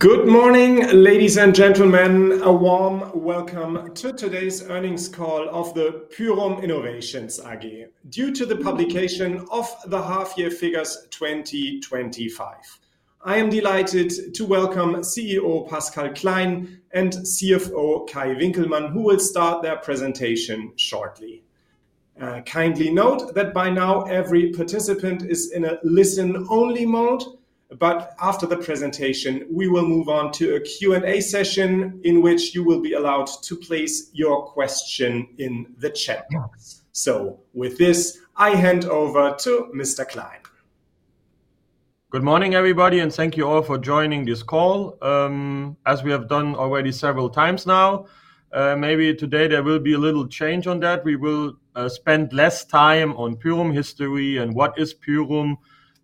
Good morning, ladies and gentlemen. A warm welcome to today's earnings call of Pyrum Innovations AG due to the publication of the half year figures 2025. I am delighted to welcome CEO Pascal Klein and CFO Kai Winkelmann, who will start their presentation shortly. Kindly note that by now every participant is in a listen only mode. After the presentation we will move on to a Q and A session in which you will be allowed to place your question in the chat box. With this I hand over to Mr. Klein. Good morning everybody and thank you all for joining this call. As we have done already several times now, maybe today there will be a little change on that. We will spend less time on Pyrum history and what is Pyrum.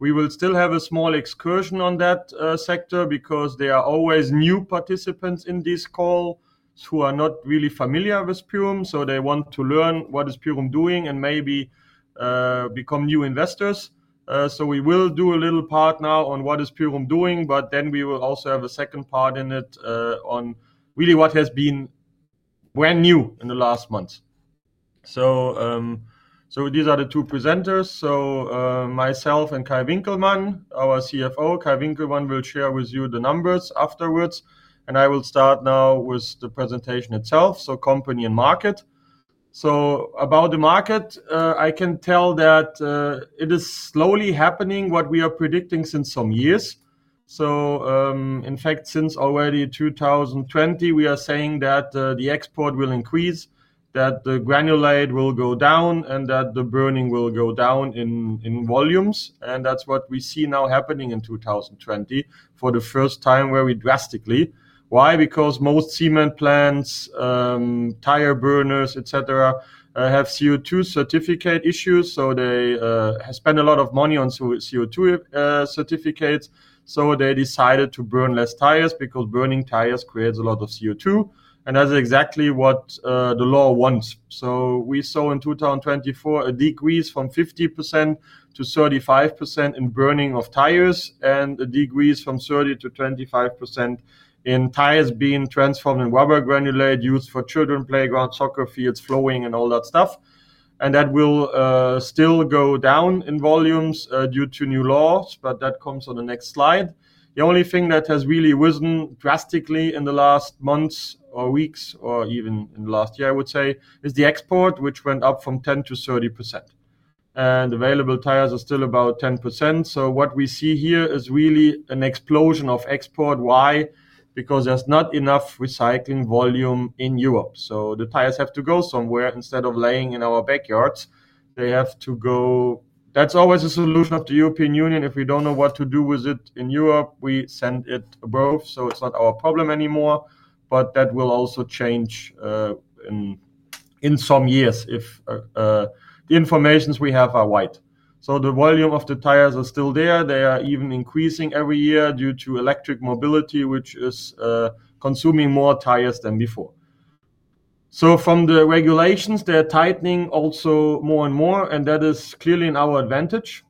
We will still have a small excursion on that sector because there are always new participants in this call who are not really familiar with Pyrum. They want to learn what is Pyrum doing and maybe become new investors. We will do a little part now on what is Pyrum doing, but then we will also have a second part in it on really what has been brand new in the last month. These are the two presenters, myself and Kai Winkelmann, our CFO. Kai Winkelmann will share with you the numbers afterwards and I will start now with the presentation itself. So, company and market. About the market, I can tell that it is slowly happening what we are predicting since some years. In fact, since already 2020, we are saying that the export will increase, that the granulate will go down, and that the burning will go down in volumes. That's what we see now happening in 2020 for the first time, very drastically. Why? Because most cement plants, tire burners, etc. have CO₂ certificate issues. They spend a lot of money on CO₂ certificates. They decided to burn less tires, because burning tires creates a lot of CO₂, and that's exactly what the law wants. We saw in 2024 a decrease from 50% to 35% in burning of tires and a decrease from 30% to 25% in tires being transformed in rubber, granulate, used for children, playground, soccer fields, flooring and all that stuff. That will still go down in volumes due to new laws, but that comes on the next slide. The only thing that has really risen drastically in the last months or weeks or even in the last year, I would say, is the export, which went up from 10% to 30% and available tires are still about 10%. What we see here is really an explosion of export. Why? Because there's not enough recycling volume in Europe. The tires have to go somewhere instead of laying in our backyards, they have to go. That's always a solution of the European Union. If we don't know what to do with it in Europe, we send it abroad. It's not our problem anymore. That will also change in some years if the information we have is right. The volume of the tires is still there. They are even increasing every year due to electric mobility, which is consuming more tires than before. From the regulations, they're tightening also more and more, and that is clearly in our advantage.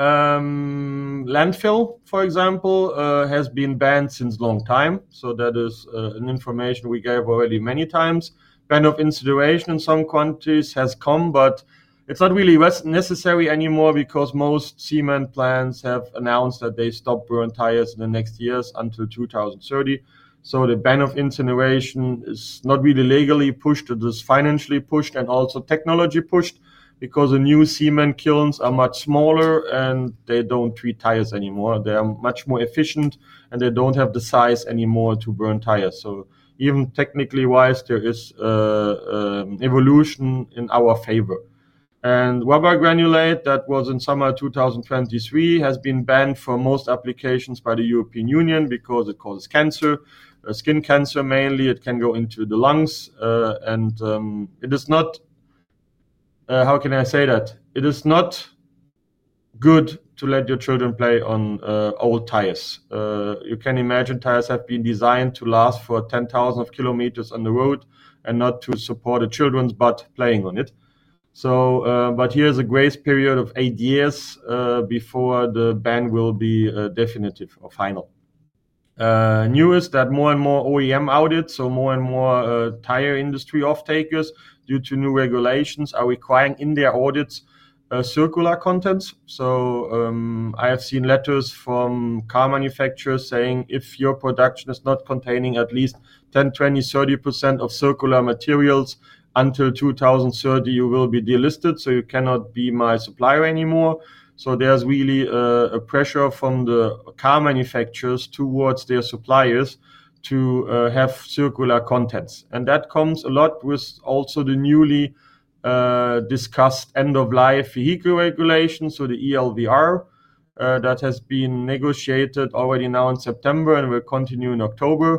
Landfill, for example, has been banned since a long time. That is an information we gave already many times. Ban of incineration in some countries has come, but it's not really necessary anymore because most cement plants have announced that they stop burning tires in the next years until 2030. The ban of incineration is not really legally pushed, it is financially pushed and also technology pushed. The new cement kilns are much smaller and they don't treat tires anymore. They are much more efficient and they don't have the size anymore to burn tires. Even technically wise, there is evolution in our favor. Rubber granulate that was in summer 2023 has been banned for most applications by the European Union because it causes cancer, skin cancer mainly. It can go into the lungs and it does not. How can I say that it is not good to let your children play on old tires? You can imagine tires have been designed to last for 10,000 km on the road and not to support a children's butt playing on it. There is a grace period of eight years before the ban will be definitive or final. Newest that more and more OEM outage. More and more tire industry off-takers due to new regulations are requiring in their audits circular contents. I have seen letters from car manufacturers saying if your production is not containing at least 10%, 20%, 30% of circular materials until 2030, you will be delisted. You cannot be my supplier anymore. There is really a pressure from the car manufacturers towards their suppliers to have circular contents. That comes a lot with also the newly discussed end-of-life vehicle regulation. The ELVR that has been negotiated already now in September and will continue in October.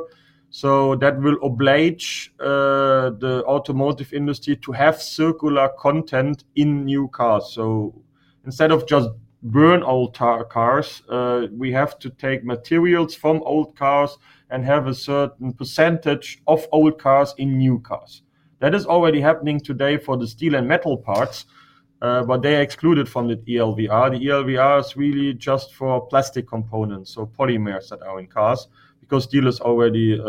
That will oblige the automotive industry to have circular content in new cars. Instead of just burning old cars, we have to take materials from old cars and have a certain percentage of old cars in new cars. That is already happening today for the steel and metal parts, but they are excluded from the ELVR. The ELVR is really just for plastic components, so polymers that are in cars, because steel is already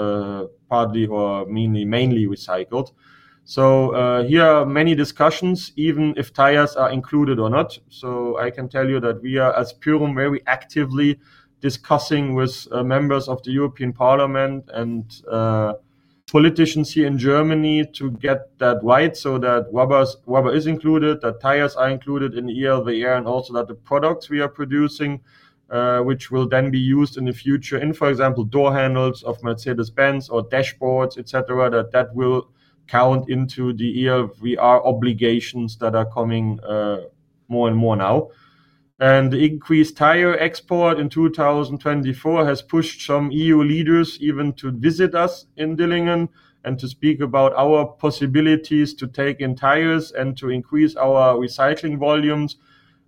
partly or mainly recycled. There are many discussions, even if tires are included or not. I can tell you that we are, as Pyrum, very actively discussing with members of the European Parliament and politicians here in Germany to get that right, so that rubber is included, that tires are included in E of the air, and also that the products we are producing, which will then be used in the future in, for example, door handles of Mercedes Benz or dashboards, etc., that will count into the obligations that are coming more and more now. The increased tire export in 2024 has pushed some EU leaders even to visit us in Dillingen and to speak about our possibilities to take in tires and to increase our recycling volumes.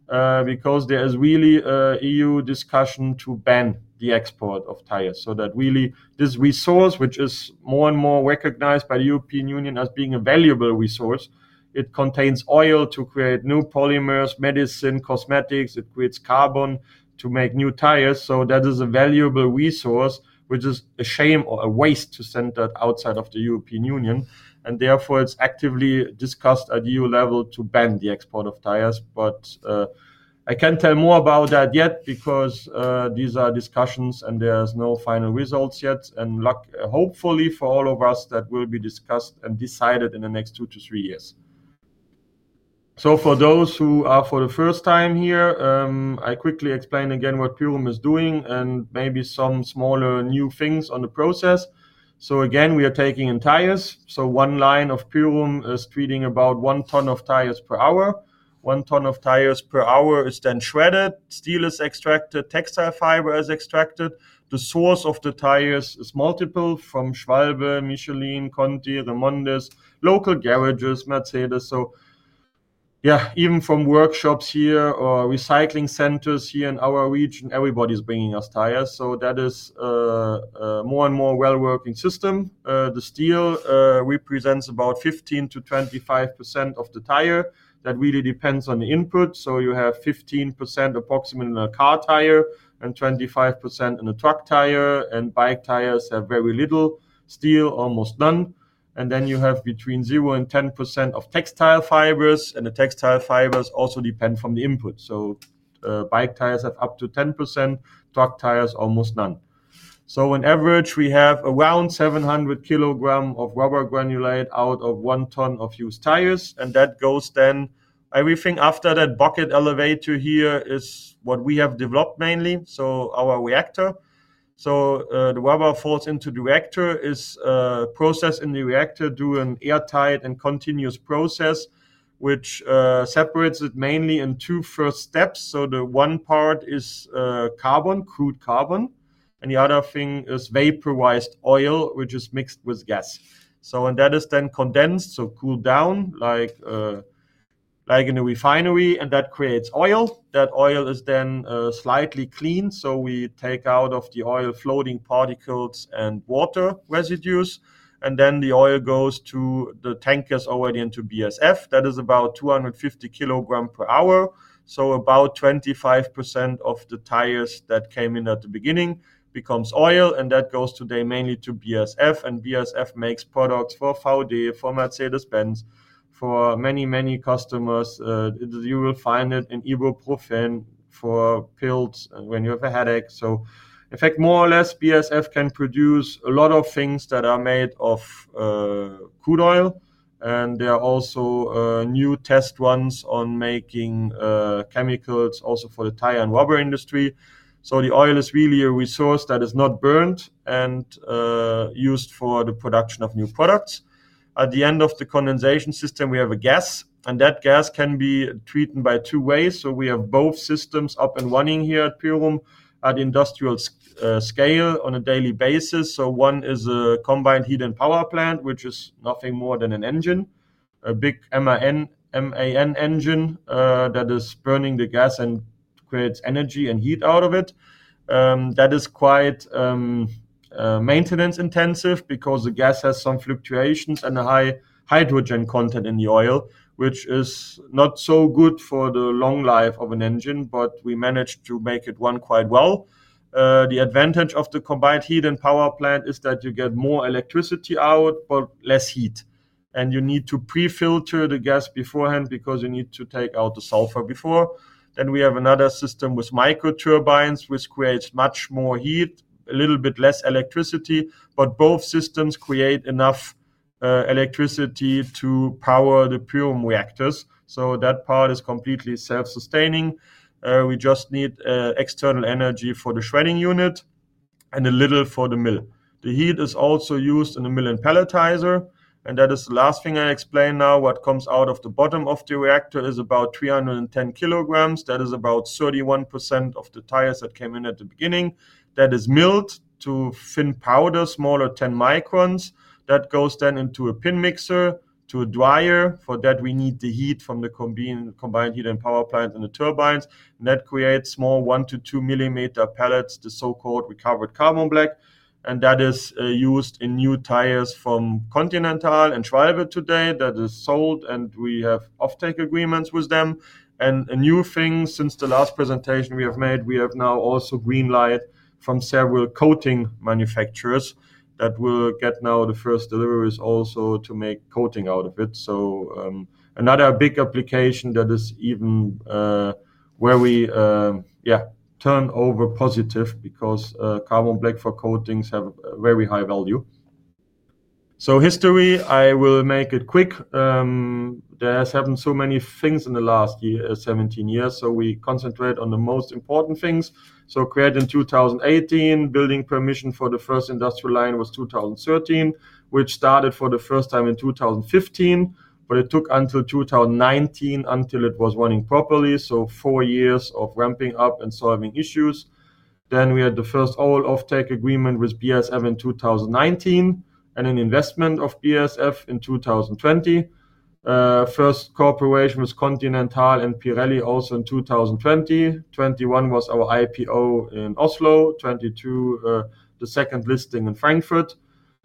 There is really EU discussion to ban the export of tires, so that this resource, which is more and more recognized by the European Union as being a valuable resource, it contains oil to create new polymers, medicine, cosmetics, it creates carbon to make new tires. That is a valuable resource for which it is a shame or a waste to send outside of the European Union. Therefore, it's actively discussed at EU level to ban the export of tires. I can't tell more about that yet, because these are discussions and there's no final results yet. Hopefully for all of us, that will be discussed and decided in the next two to three years. For those who are for the first time here, I quickly explain again what Pyrum is doing and maybe some smaller new things on the process. Again, we are taking in tires. One line of Pyrum is treating about one ton of tires per hour. One ton of tires per hour is then shredded, steel is extracted, textile fiber is extracted. The source of the tires is multiple, from Schwalbe, Michelin, Conti, the Mundes, local garages, Mercedes. Even from workshops here or recycling centers here in our region, everybody's bringing us tires. That is a more and more well working system. The steel represents about 15% to 25% of the tire. That really depends on the input. You have 15% approximate in a car tire and 25% in a truck tire. Bike tires have very little steel, almost none. Then you have between 0% and 10% of textile fibers. The textile fibers also depend on the input. Bike tires have up to 10%, truck tires, almost none of them. On average, we have around 700 kilogram of rubber granulate out of one ton of used tires. That goes then, everything after that, bucket elevator. Here is what we have developed mainly, so our reactor. The rubber falls into the reactor, is processed in the reactor, through an airtight and continuous process which separates it mainly in two first steps. One part is carbon, crude carbon, and the other thing is vaporized oil, which is mixed with gas. That is then condensed, cooled down like in a refinery, and that creates oil. That oil is then slightly cleaned. We take out of the oil floating particles and water residues. The oil goes to the tankers already into BASF. That is about 250 kg per hour. About 25% of the tires that came in at the beginning becomes oil. That goes today mainly to BASF. BASF makes products for food format, say this Benz for many, many customers. You will find it in ibuprofen for pills when you have a headache. In fact, more or less, BASF can produce a lot of things that are made of crude oil. There are also new test runs on making chemicals also for the tire and rubber industry. The oil is really a resource that is not burned and used for the production of new products. At the end of the condensation system we have a gas. That gas can be treated by two ways. We have both systems up and running here at Pyrum at industrial scale on a daily basis. One is a combined heat and power plant, which is nothing more than an engine, a big MAN engine that is burning the gas and creates energy and heat out of it. That is quite maintenance intensive because the gas has some fluctuations and a high hydrogen content in the oil, which is not so good for the long life of an engine. We managed to make it run quite well. The advantage of the combined heat and power plant is that you get more electricity out, but less heat. You need to pre-filter the gas beforehand because you need to take out the sulfur before then. We have another system with microturbines, which creates much more heat, a little bit less electricity. Both systems create enough electricity to power the Pyrum reactors. That part is completely self-sustaining. We just need external energy for the shredding unit and a little for the mill. The heat is also used in the mill and pelletizer. That is the last thing I explain. What comes out of the bottom of the reactor is about 310 kg. That is about 31% of the tires that came in at the beginning. That is milled to thin powder smaller than 10 microns that goes then into a pin mixer to a dryer. For that we need the heat from the combined heat and power plant and the turbines that creates more one to two millimeter pellets, the so-called recovered carbon black. That is used in new tires from Continental and Schwalbe. Today that is sold and we have offtake agreements with them. A new thing since the last presentation we have made, we have now also green light from several coating manufacturers that will get now the first deliveries also to make coating out of it. Another big application that is even where we, yeah, turn over positive, because carbon black for coatings have very high value. History, I will make it quick. There has happened so many things in the last 17 years, so we concentrate on the most important things. Created in 2018. Building permission for the first industrial line was 2013, which started for the first time in 2015, but it took until 2019 until it was running properly. Four years of ramping up and solving issues. We had the first oil offtake agreement with BASF in 2019 and an investment of BASF in 2020. First cooperation was Continental and Pirelli. Also in 2020, 2021 was our IPO in Oslo. 2022, the second listing in Frankfurt.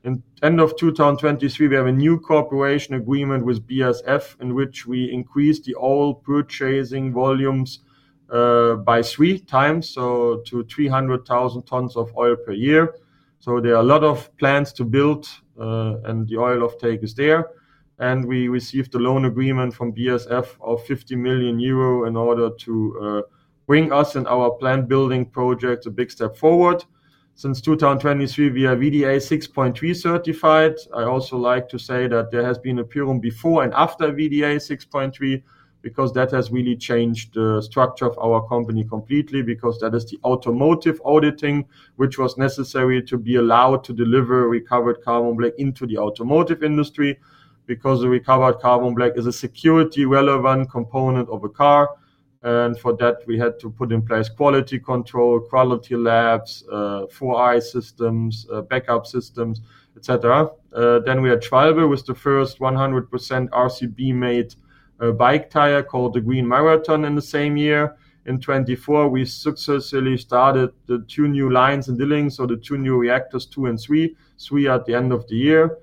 End of 2023 we have a new cooperation agreement with BASF in which we increase the oil purchasing volumes by three times to 300,000 tons of oil per year. There are a lot of plants to build and the oil offtake is there. We received a loan agreement from BASF of €50 million in order to bring us in our plant building project a big step forward. Since 2023 we are VDA 6.3 certified. I also like to say that there has been a Pyrum before and after VDA 6.3 because that has really changed the structure of our company completely. That is the automotive auditing which was necessary to be allowed to deliver recovered carbon black into the automotive industry, because the recovered carbon black is a security relevant component of a car. For that we had to put in place quality control, quality labs, 4i systems, backup systems, etc. We had Schwalbe with the first 100% RCB made bike tire called the Green Marathon in the same year. In 2024 we successfully started the two new lines in Dillingen, or the two new reactors 2 and 3 at the end of the year.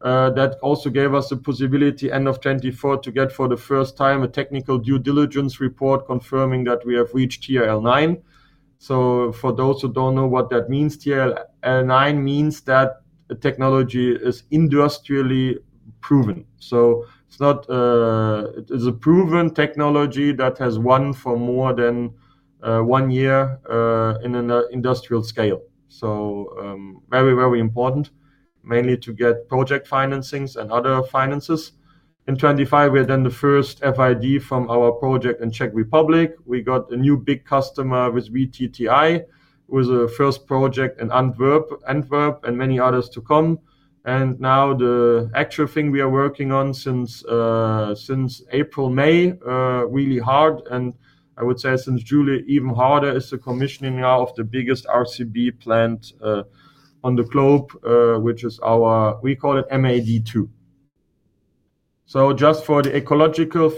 That also gave us the possibility end of 2024 to get for the first time a technical due diligence report confirming that we have reached. For those who don't know what that means, TL9 means that technology is industrially proven. It is a proven technology that has run for more than one year on an industrial scale. Very, very important mainly to get project financings and other finances. In 2025 we are then the first FID from our project in Czech Republic, which is we got a new big customer with VTTI with the first project in Antwerp and many others to come. The actual thing we are working on since April, May really hard, and I would say since July, even harder, is the commissioning of the biggest RCB plant on the globe, which is our, we call it TAD 2. Just for the ecological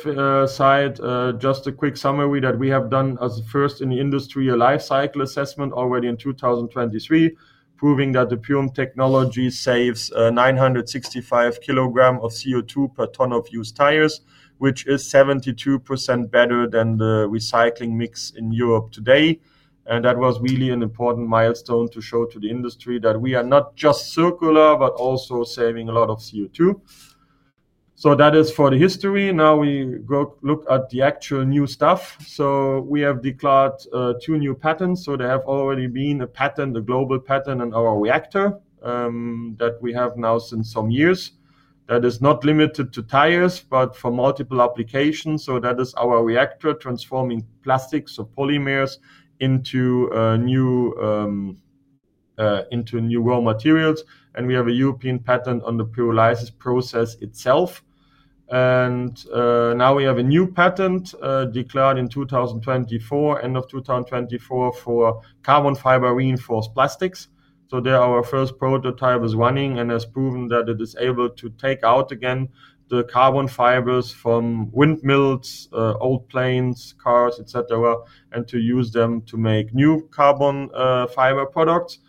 side, just a quick summary that we have done as a first in the industry, a life cycle assessment already in 2023, proving that the Pyrum technology saves 965 kg of CO₂ per tonne of used tires, which is 72% better than the recycling mix in Europe today. That was really an important milestone to show to the industry that we are not just circular, but also saving a lot of CO₂. That is for the history. Now we go look at the actual new stuff. We have declared two new patents. There has already been a patent, a global patent on our reactor that we have now since some years that is not limited to tires, but for multiple applications. That is our reactor transforming plastics or polymers into new raw materials. We have a European patent on the thermolysis process itself. Now we have a new patent declared in 2024, end of 2024, for carbon fiber reinforced plastics. There our first prototype is running and has proven that it is able to take out again the carbon fibers from windmills, old planes, cars, etc., and to use them to make new carbon fiber products.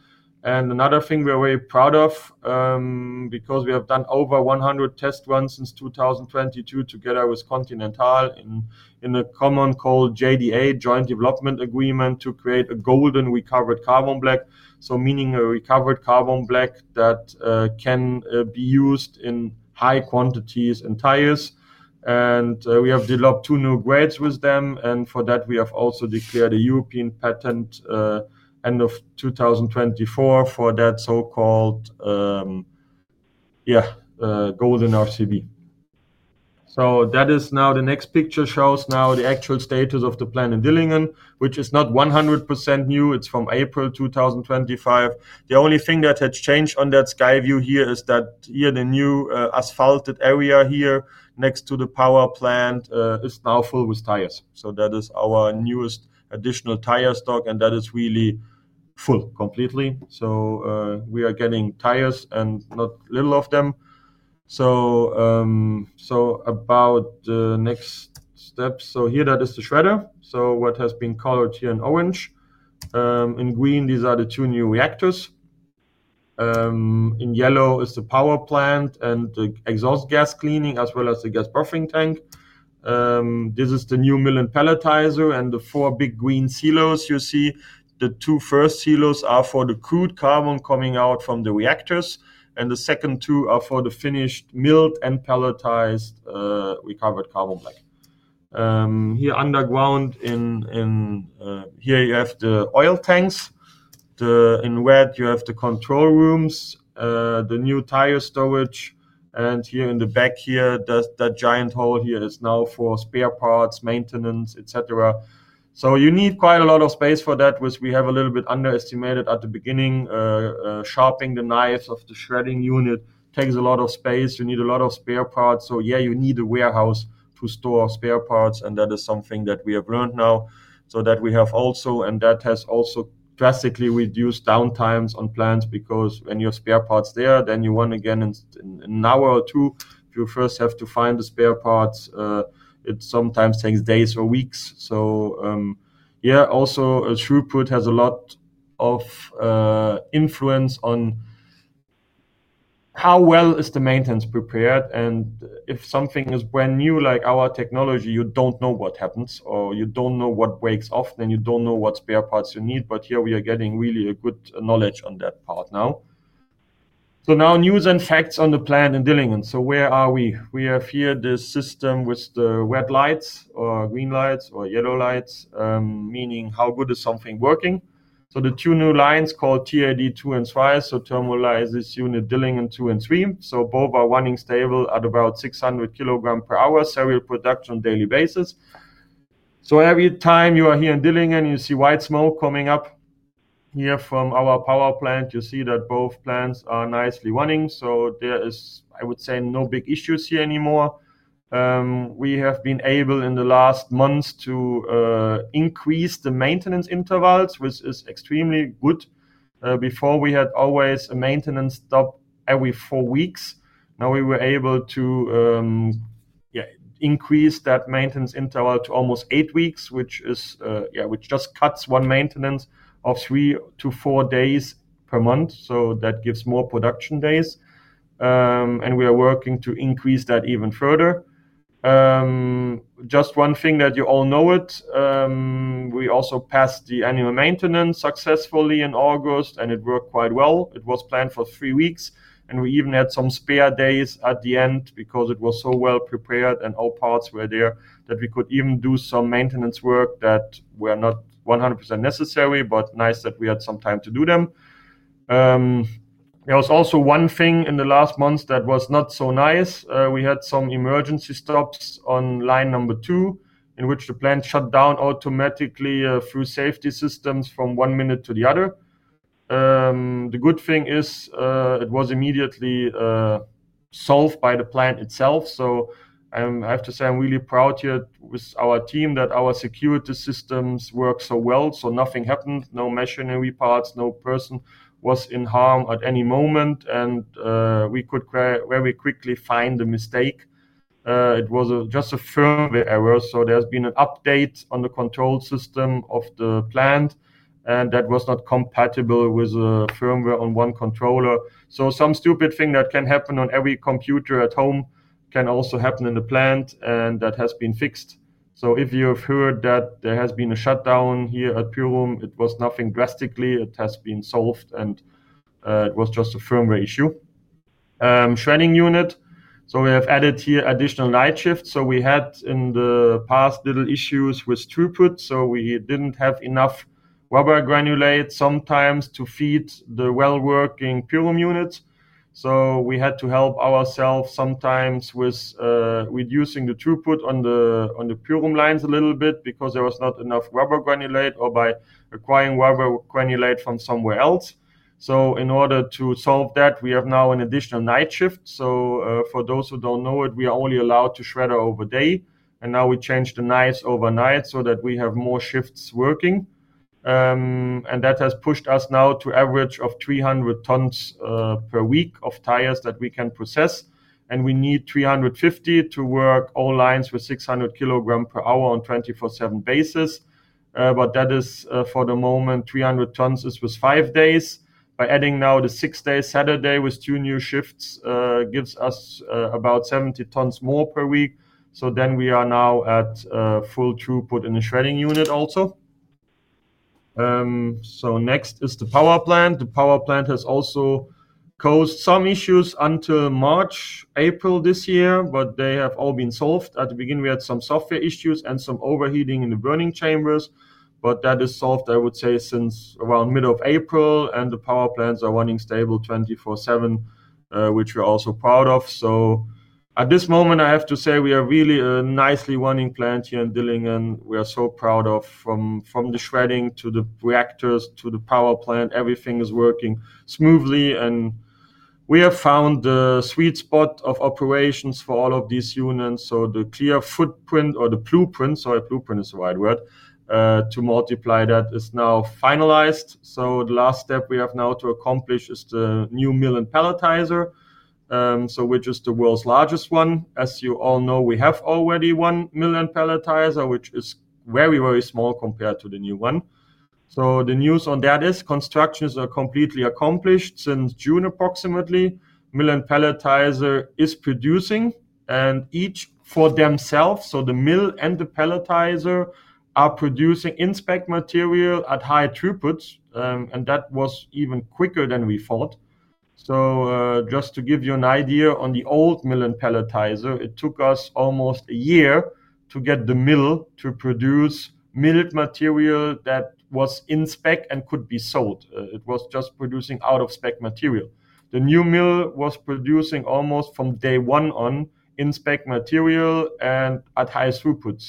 Another thing we're very proud of because we have done over 100 test runs since 2022 together with Continental in a common called JDA, Joint Development Agreement, to create a golden recovered carbon black. Meaning a recovered carbon black that can be used in high quantities in tires. We have developed two new grades with them. For that we have also declared a European patent end of 2024 for that so-called golden RCB. The next picture shows now the actual status of the plant in Dillingen, which is not 100% new. It's from April 2025. The only thing that had changed on that sky view here is that here the new asphalted area next to the power plant is now full with tires. That is our newest additional tire stock and that is really full completely. We are getting tires and not little of them. About the next steps, here, that is the shredder. What has been colored here in orange, in green, these are the two new reactors. In yellow is the power plant and the exhaust gas cleaning as well as the gas buffering tank. This is the new mill and pelletizer and the four big green silos. You see, the two first silos are for the crude carbon coming out from the reactors, and the second two are for the finished milled and pelletized recovered carbon black. Here underground, you have the oil tanks. In red, you have the control rooms, the new tire storage. Here in the back, that giant hole is now for spare parts maintenance, etc. You need quite a lot of space for that, which we have a little bit underestimated at the beginning. Sharpening the knives of the shredding unit takes a lot of space. You need a lot of spare parts. You need a warehouse to store spare parts, and that is something that we have learned now. That has also drastically reduced downtimes on plants because when you have spare parts there, then you want again and in an hour or two you first have to find the spare parts. It sometimes takes days or weeks. Also, throughput has a lot of influence on how well is the maintenance prepared. If something is brand new like our technology, you don't know what happens, or you don't know what breaks off, then you don't know what spare parts you need. Here we are getting really a good knowledge on that part now. Now, news and facts on the plant in Dillingen. Where are we? We have here this system with the red lights or green lights or yellow lights, meaning how good is something working. The two new lines called TAD 2 and 3, so thermolysis unit Dillingen 2 and 3, both are running stable at about 600 kilogram per hour serial production daily basis. Every time you are here in Dillingen, you see white smoke coming up here from our power plant. You see that both plants are nicely running. There is, I would say, no big issues here anymore. We have been able in the last months to increase the maintenance intervals, which is extremely good. Before, we had always a maintenance stop every four weeks. Now we were able to increase that maintenance interval to almost eight weeks, which is. Yeah, which just cuts one maintenance of three to four days per month. That gives more production days, and we are working to increase that even further. Just one thing that you all know it, we also passed the annual maintenance successfully in August, and it worked quite well. It was planned for three weeks, and we even had some spare days at the end because it was so well prepared and all parts were there that we could even do some maintenance work that were not 100% necessary, but nice that we had some time to do them. There was also one thing in the last month that was not so nice. We had some emergency stops on line number two in which the plant shut down automatically through safety systems from one minute to the other. The good thing is it was immediately solved by the plant itself. I have to say I'm really proud here with our team that our security systems work so well. Nothing happened. No machinery parts, no person was in harm at any moment, and we could very quickly find a mistake. It was just a firmware error. There has been an update on the control system of the plant, and that was not compatible with firmware on one controller. Some stupid thing that can happen on every computer at home can also happen in the plant, and that has been fixed. If you have heard that there has been a shutdown here at Pyrum, it was nothing drastic. It has been solved, and it was just a firmware issue. Shredding unit. We have added here additional night shift. We had in the past little issues with throughput. We didn't have enough rubber granulate sometimes to feed the well working Pyrum unit. We had to help ourselves sometimes with reducing the throughput on the Pyrum lines a little bit because there was not enough rubber granulate or by acquiring rubber granulate from somewhere else. In order to solve that, we have now an additional night shift. For those who don't know it, we are only allowed to shredder over day. Now we change the nights overnight so that we have more shifts working. That has pushed us now to average of 300 tons per week of tires that we can process. We need 350 to work all lines with 600 kilogram per hour on 24/7 basis. That is for the moment 300 tons is with five days. By adding now the sixth day Saturday with two new shifts gives us about 70 tons more per week. Then we are now at full throughput in the shredding unit also. Next is the power plant. The power plant has also caused some issues until March, April this year, but they have all been solved. At the beginning, we had some software issues and some overheating in the burning chambers, but that is solved, I would say, since around mid-April. The power plants are running stable 24/7, which we're also proud of. At this moment, I have to say we are really a nicely running plant here in Dillingen, and we are so proud of, from the shredding to the reactors to the power plant, everything is working smoothly. We have found the sweet spot of operations for all of these units. The clear footprint, or the blueprint—sorry, blueprint is the right word—to multiply, that is now finalized. The last step we have now to accomplish is the new mill and pelletizer, which is the world's largest one. As you all know, we have already one mill and pelletizer, which is very, very small compared to the new one. The news on that is constructions are completely accomplished. Since June, approximately, the mill and pelletizer is producing, and each for themselves. The mill and the pelletizer are producing in-spec material at high throughputs, and that was even quicker than we thought. Just to give you an idea, on the old mill and pelletizer, it took us almost a year to get the mill to produce milled material that was in spec and could be sold. It was just producing out-of-spec material. The new mill was producing almost from day one in-spec material and at high throughput.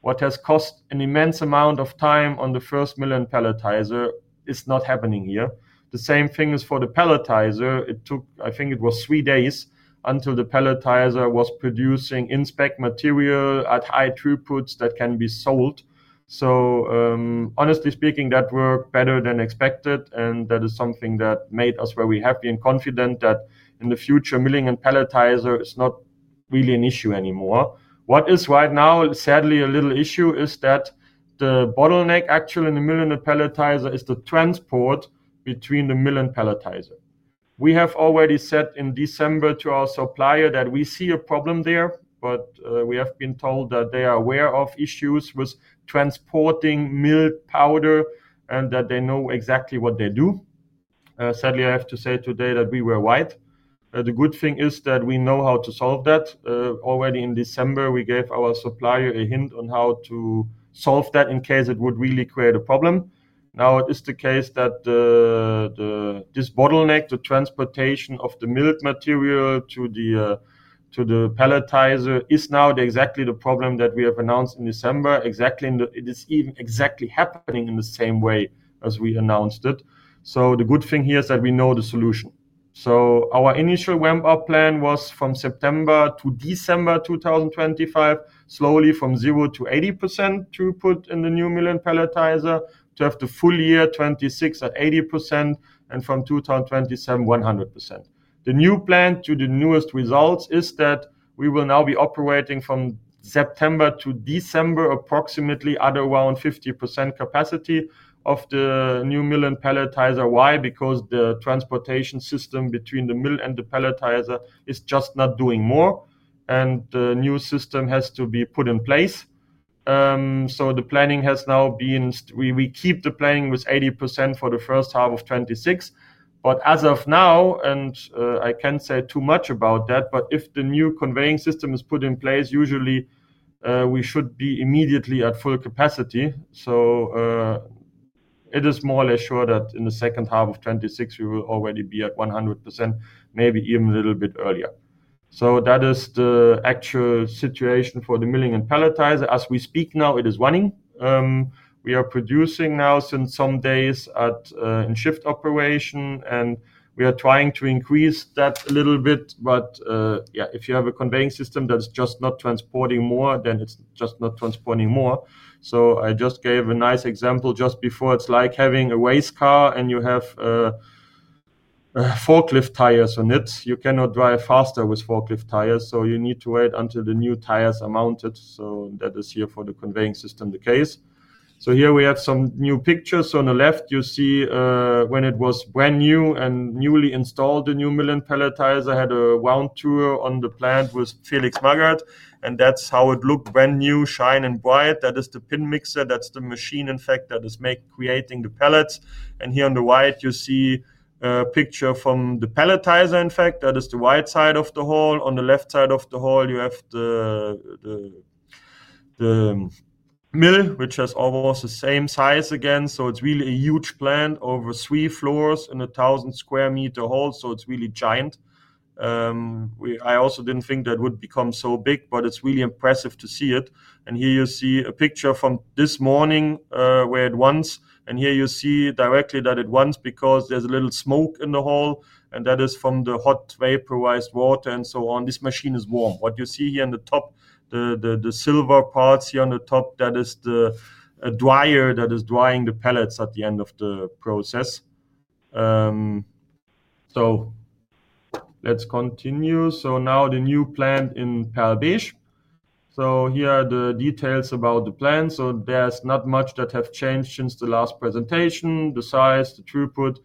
What has cost an immense amount of time on the first mill and pelletizer is not happening here. The same thing is for the pelletizer. It took, I think it was three days until the pelletizer was producing in-spec material at high throughputs that can be sold. Honestly speaking, that worked better than expected, and that is something that made us very happy and confident that in the future, milling and pelletizer is not really an issue anymore. What is right now, sadly, a little issue is that the bottleneck actually in the mill and the pelletizer is the transportation between the mill and pelletizer. We have already said in December to our supplier that we see a problem there, but we have been told that they are aware of issues with transporting milled powder and that they know exactly what they do. Sadly, I have to say today that we were right. The good thing is that we know how to solve that. Already in December we gave our supplier a hint on how to solve that in case it would really create a problem. Now it is the case that this bottleneck, the transportation of the mill material to the pelletizer, is now exactly the problem that we have announced in December. It is even exactly happening in the same way as we announced it. The good thing here is that we know the solution. Our initial ramp up plan was from September to December 2025, slowly from 0 to 80% throughput in the new mill and pelletizer to have the full year 2026 at 80% and from 2027, 100%. The new plan to the newest results is that we will now be operating from September to December approximately at around 50% capacity of the new mill and pelletizer. Why? Because the transportation system between the mill and the pelletizer is just not doing more, and the new system has to be put in place. The planning has now been, we keep the planning with 80% for 1H26. As of now, and I can't say too much about that, if the new conveying system is put in place, usually we should be immediately at full capacity. It is more or less sure that in the second half of 2026 we will already be at 100%, maybe even a little bit earlier. That is the actual situation for the milling and pelletizer. As we speak now, it is running. We are producing now since some days in shift operation, and we are trying to increase that a little bit. If you have a conveying system that's just not transporting more, then it's just not transporting more. I just gave a nice example just before. It's like having a race car and you have forklift tires on it. You cannot drive faster with forklift tires. You need to wait until the new tires are mounted. That is here for the conveying system, the case. Here we have some new pictures. On the left you see when it was brand new and newly installed, the new mill and pelletizer had a round tour on the plant with Felix Maggart. That's how it looked, brand new, shine and bright. That is the pin mixer. That's the machine in fact that is making, creating the pellets. Here on the right you see a picture from the pelletizer. In fact, that is the right side of the hall. On the left side of the hall you have the mill, which has almost the same size again. It is really a huge plant, over three floors and a thousand square meter hall. It is really giant. I also didn't think that would become so big, but it's really impressive to see it. Here you see a picture from this morning where it runs. Here you see directly that it runs because there's a little smoke in the hole, and that is from the hot vaporized water and so on. This machine is warm. What you see here on the top, the silver parts here on the top, that is the dryer that is drying the pellets at the end of the process. Let's continue. Now the new plant in Perl-Besch. Here are the details about the plan. There's not much that has changed since the last presentation. The size, the throughput.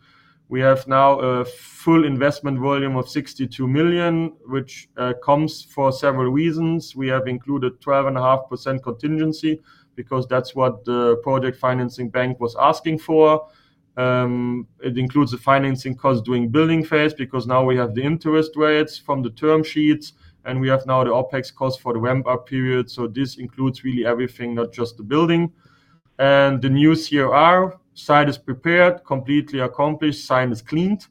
We have now a full investment volume of €62 million, which comes for several reasons. We have included 12.5% contingency because that's what the project financing bank was asking for. It includes the financing cost during the building phase because now we have the interest rates from the term sheets. We have now the OpEx cost for the ramp-up period. This includes really everything, not just the building. The new CRR site is prepared, completely accomplished. Site is cleaned.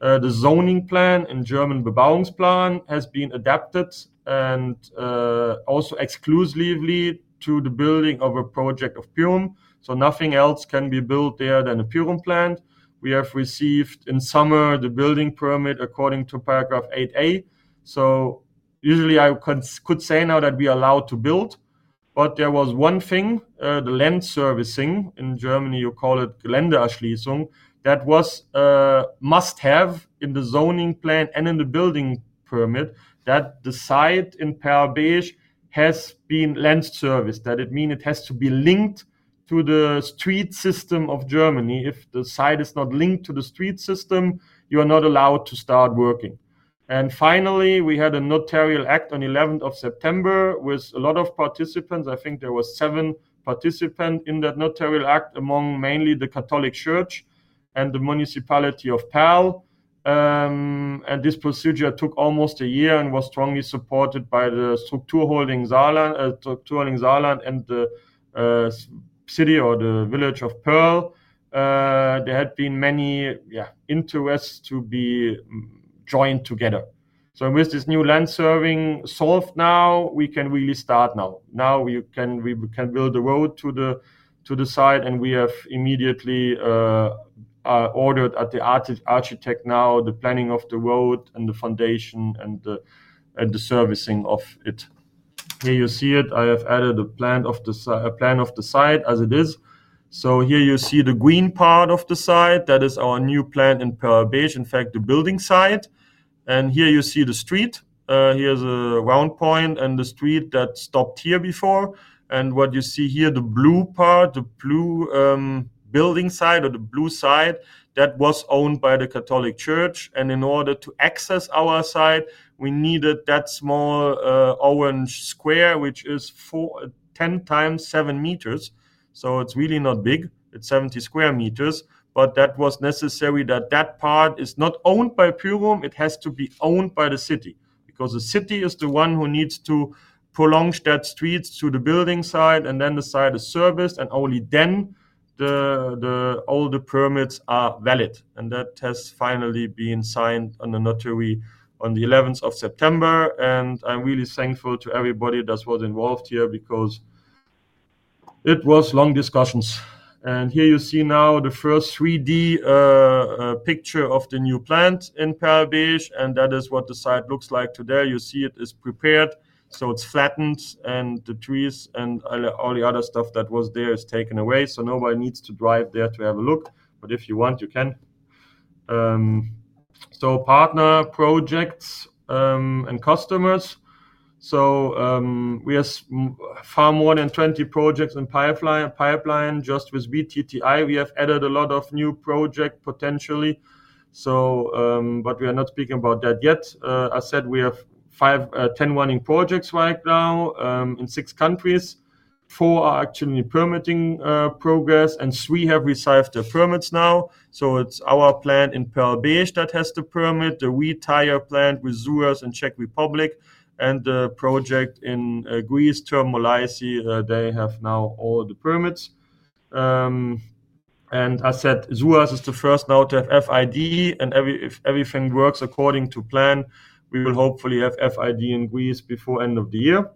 The zoning plan in German, the Bebauungsplan, has been adapted and also exclusively to the building of a project of Pyrum. Nothing else can be built there than the Pyrum plant. We have received in summer the building permit according to paragraph 8a. Usually I could say now that we are allowed to build. There was one thing. The land servicing in Germany, you call it Land Erschließung, that was a must-have in the zoning plan and in the building permit that the site in Perl-Besch has been land serviced. That means it has to be linked to the street system of Germany. If the site is not linked to the street system, you are not allowed to start working. Finally, we had a notarial act on September 11 with a lot of participants. I think there were seven participants in that notarial act, among them mainly the Catholic church and the municipality of Perl. This procedure took almost a year and was strongly supported by the structural authorities in Saarland and the city or the village of Perl. There had been many interests to be joined together. With this new land servicing solved, now we can really start. Now we can build the road to the site, and we have immediately ordered the architect. Now the planning of the road and the foundation and the servicing of it. Here you see it. I have added a plan of the site as it is. Here you see the green part of the site. That is our new plant in Perl-Besch, in fact the building site. Here you see the street. Here's a round point and the street that stopped here before. What you see here, the blue part, the blue building site or the blue site, that was owned by the Catholic Church. In order to access our site, we needed that small orange square, which is 10 times 7 meters. It's really not big, it's 70 square meters. That was necessary; that part is not owned by Pyrum, it has to be owned by the city, because the city is the one who needs to prolong that street to the building site and then the site is serviced, and only then the older permits are valid. That has finally been signed at the notary on the 11th of September. I'm really thankful to everybody that was involved here because it was long discussions. Here you see now the first 3D picture of the new plant in Perl-Besch. That is what the site looks like today. You see it is prepared, so it's flattened and the trees and all the other stuff that was there is taken away. Nobody needs to drive there to have a look, but if you want, you can. Partner projects and customers: we have far more than 20 projects in pipeline just with VTTI. We have added a lot of new project potential, but we are not speaking about that yet. I said we have five, 10 running projects right now in six countries. Four are actually in permitting progress and three have received the permits now. It's our plant in Perl-Besch that has the permit, the tire plant with SUAS in Czech Republic, and the project in Greece, Thermolysis. They have now all the permits. I said SUAS is the first now to have FID, and if everything works according to plan, we will hopefully have FID in Greece before end of the year.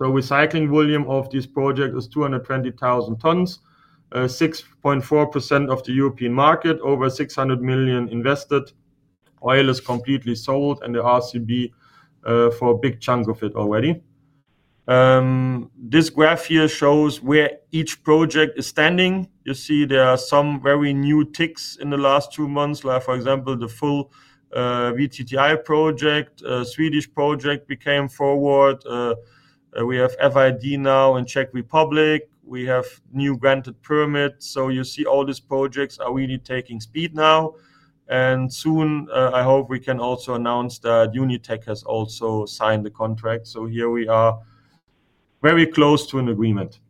Recycling volume of this project is 220,000 tons, 6.4% of the European market. Over €600 million invested. Oil is completely sold and the RCB for a big chunk of it already. This graph here shows where each project is standing. You see there are some very new ticks in the last two months. For example, the full VTTI project, Swedish project came forward. We have FID now in Czech Republic. We have new granted permits. You see all these projects are really taking speed now and soon I hope we can also announce that Unitech has also signed the contract. We are very close to an agreement.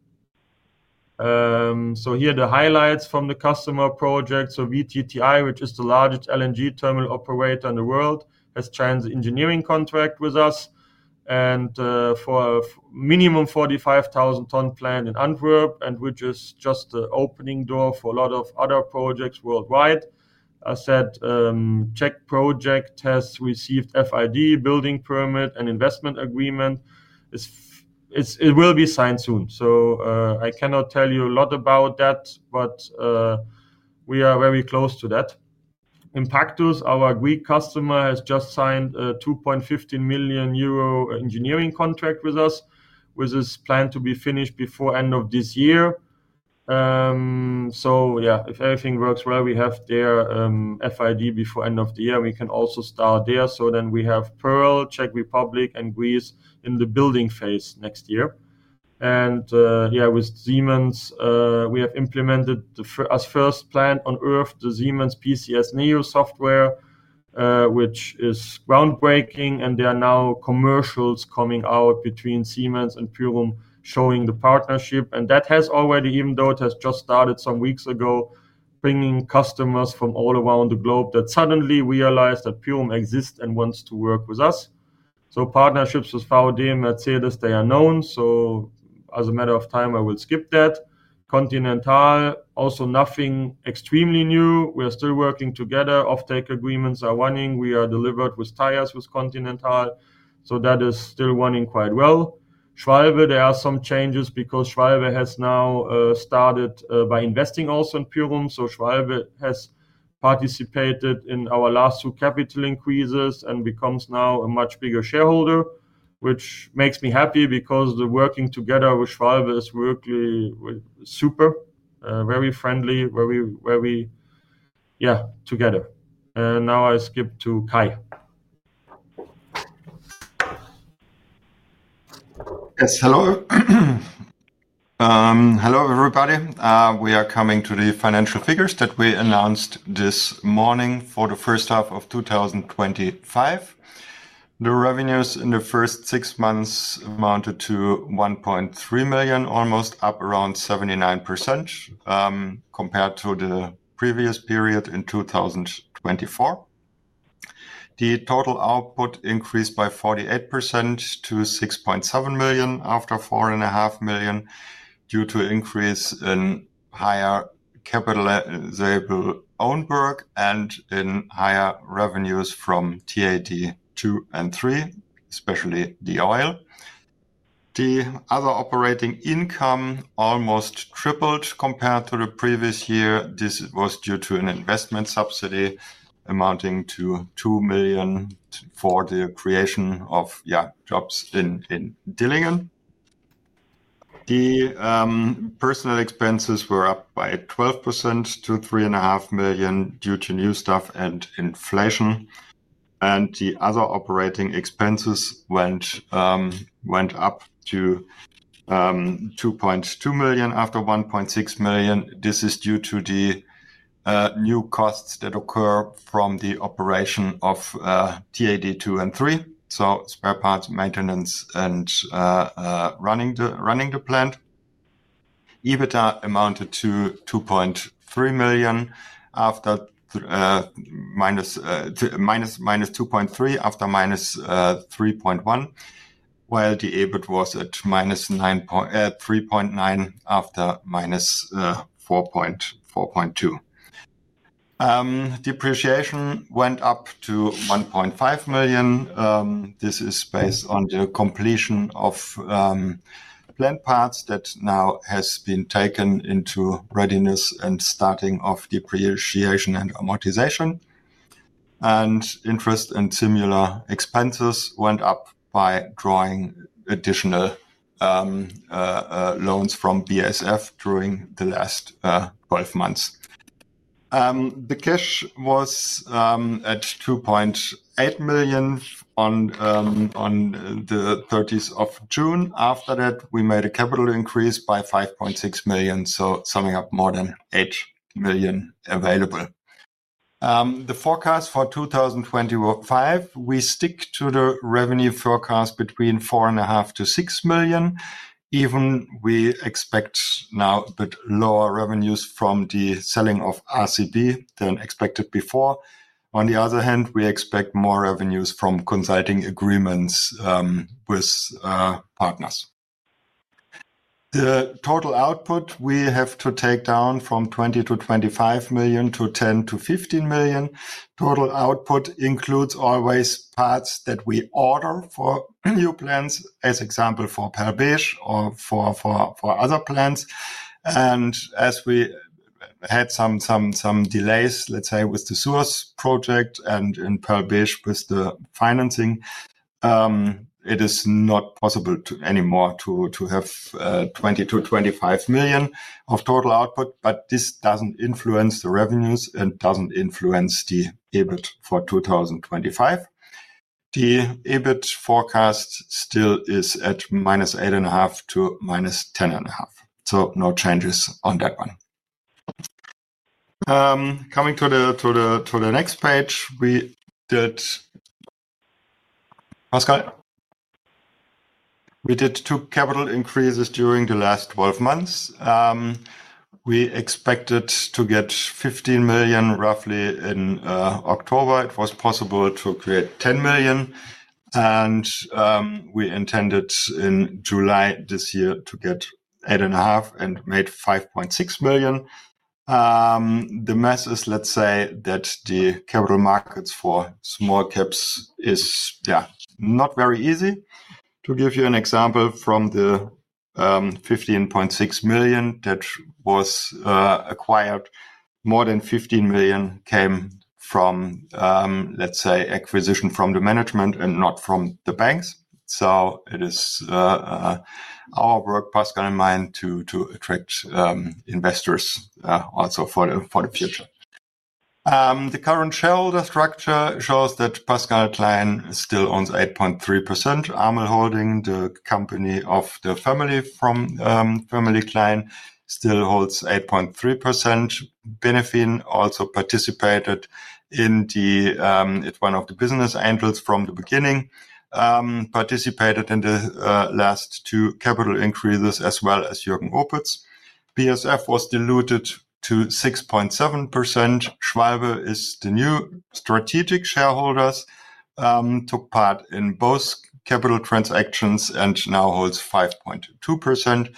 Here are the highlights from the customer project. So VTTI, which is the largest LNG terminal operator in the world, has China's engineering contract with us and for a minimum 45,000 ton plant in Antwerp, which is just the opening door for a lot of other projects worldwide. I said Czech project has received FID, building permit, and investment agreement. It will be signed soon. I cannot tell you a lot about that, but we are very close to that. Impactus, our Greek customer, has just signed a €2.15 million engineering contract with us, which is planned to be finished before end of this year. If everything works well, we have their FID before end of the year, we can also start there. We have Perl, Czech Republic, and Greece in the building phase next year. With Siemens, we have implemented as first plant on earth the Siemens PCS Neo software, which is groundbreaking. There are now commercials coming out between Siemens and Pyrum showing the partnership. That has already, even though it has just started some weeks ago, brought customers from all around the globe that suddenly realized that Pyrum exists and want to work with us. Partnerships with Mercedes, they are known. As a matter of time, I will skip that. Continental, also nothing extremely new. We are still working together. Offtake agreements are running, we are delivered with tires with Continental, so that is still running quite well. Schwalbe, there are some changes because Schwalbe has now started by investing also in Pyrum. Schwalbe has participated in our last two capital increases and becomes now a much bigger shareholder, which makes me happy because the working together with Schwalbe is super, very friendly together. Now I skip to Kai. Hello. Hello everybody. We are coming to the financial figures that we announced this morning. For the first half of 2025, the revenues in the first six months amounted to €1.3 million, almost up around 79% compared to the previous period. In 2024 the total output increased by 48% to €6.7 million after €4.5 million due to increase in higher capital own work and in higher revenues from TAD 2 and 3, especially the oil. The other operating income almost tripled compared to the previous year. This was due to an investment subsidy amounting to €2 million for the creation of jobs in Dillingen. The personnel expenses were up by 12% to €3.5 million due to new staff and inflation. The other operating expenses went up to €2.2 million after €1.6 million. This is due to the new costs that occur from the operation of TAD 2 and 3, so spare parts, maintenance and running the plant. EBITDA amounted to minus €2.3 million after minus €3.1 million while the EBIT was at minus €3.9 million after minus €4.2 million. Depreciation went up to €1.5 million. This is based on the completion of plant parts that now have been taken into readiness and starting of depreciation and amortization and interest and similar expenses went up by drawing additional loans from BASF. During the last 12 months the cash was at €2.8 million on the 30th of June. After that we made a capital increase by €5.6 million. Summing up, more than €8 million available. The forecast for 2025, we stick to the revenue forecast between €4.5 to €6 million even if we expect now a bit lower revenues from the selling of recovered Carbon Black than expected before. On the other hand, we expect more revenues from consulting agreements with partners. The total output we have to take down from €20 to €25 million to €10 to €15 million. Total output includes always parts that we order for new plants as example for Perl-Besch or for other plants. As we had some delays with the source project and in Perl-Besch financing it is not possible anymore to have €20 to €25 million of total output. This does not influence the revenues and does not influence the EBIT. For 2025 the EBIT forecast still is at minus €8.5 to minus €10.5 million. No changes on that one. Coming to the next page, we did, Pascal, we did two capital increases during the last 12 months. We expected to get €15 million roughly. In October it was possible to create €10 million. We intended in July this year to get €8.5 million and made €5.6 million. The mess is. Let's say that the capital markets for small caps is not very easy. To give you an example, from the €15.6 million that was acquired, more than €15 million came from, let's say, acquisition from the management and not from the banks. It is our work, Pascal in mind, to attract investors also for the future. The current shareholder structure shows that Pascal Klein still owns 8.3%. ARML Holding, the company of the family Klein, still holds 8.3%. Benefene also participated in the, it's one of the business angels from the beginning, participated in the last two capital increases as well as Jürgen Oppen. BASF was diluted to 6.7%. Schwalbe is the new strategic shareholder, took part in both capital transactions and now holds 5.2%.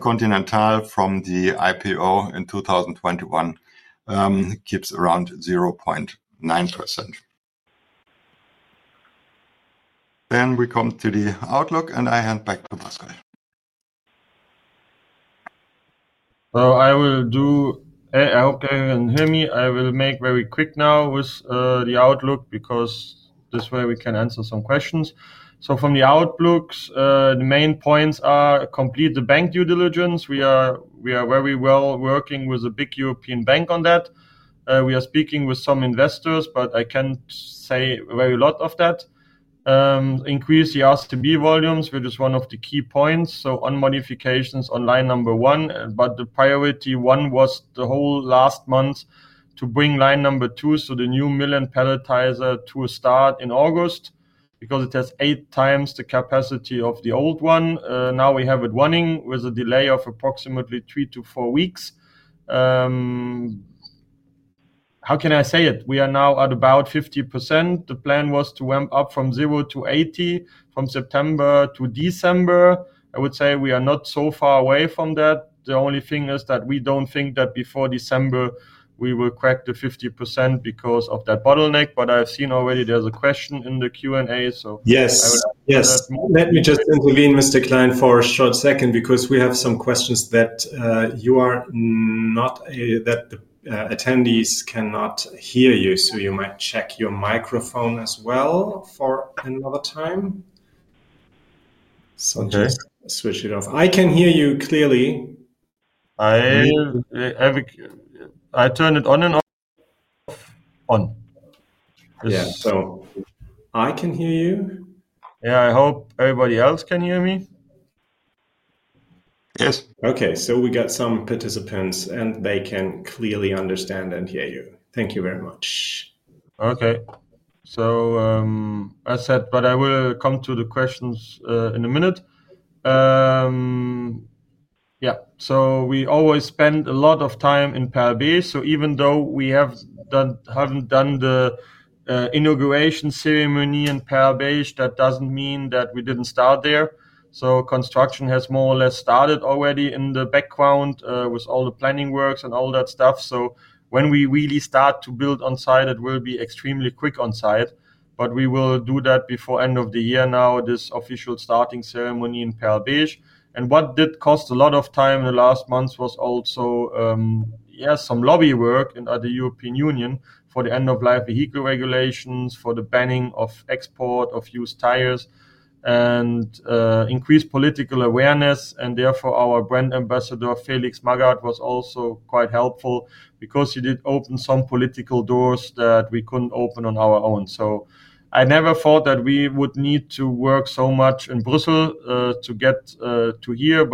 Continental from the IPO in 2021 keeps around 0.9%. We come to the outlook and I hand back to Pascal. I hope you can hear me. I will make it very quick now with the outlook because this way we can answer some questions. From the outlooks, the main points are complete. The bank due diligence, we are very well working with a big European bank on that. We are speaking with some investors, but I can’t say very lot of that. Increase the RCB volumes, which is one of the key points. Modifications on line number one, but the priority one was the whole last month to bring line number two, so the new Millen pelletizer, to a start in August because it has eight times the capacity of the old one. Now we have it running with a delay of approximately three to four weeks. How can I say it? We are now at about 50%. The plan was to ramp up from 0 to 80% from September to December. I would say we are not so far away from that. The only thing is that we don't think that before December we will crack the 50% because of that bottleneck. I've seen already there's a question in the Q and A. Yes, let me just intervene. Mr. Klein, for a short second because. We have some questions that you are not that dependent. Attendees cannot hear you. You might check your microphone as well for another time. Just switch it off. I can hear you clearly. I turn it on and off. Yeah, I can hear you. I hope everybody else can hear me. Yes. Okay, we got some participants and they can clearly understand and hear you. Thank you very much. Okay, I will come to the questions in a minute. We always spend a lot of time in Perl-Besch. Even though we haven't done the inauguration ceremony in Perl-Besch, that doesn't mean that we didn't start there. Construction has more or less started already in the background with all the planning works and all that stuff. When we really start to build on site, it will be extremely quick on site, but we will do that before end of the year. This official starting ceremony in Perl-Besch, and what did cost a lot of time the last month was also some lobby work in the European Union for the end-of-life vehicle regulations, for the banning of export of used tires, and increased political awareness. Our brand ambassador Felix Magath was also quite helpful because he did open some political doors that we couldn't open on our own. I never thought that we would need to work so much in Brussels to get to here.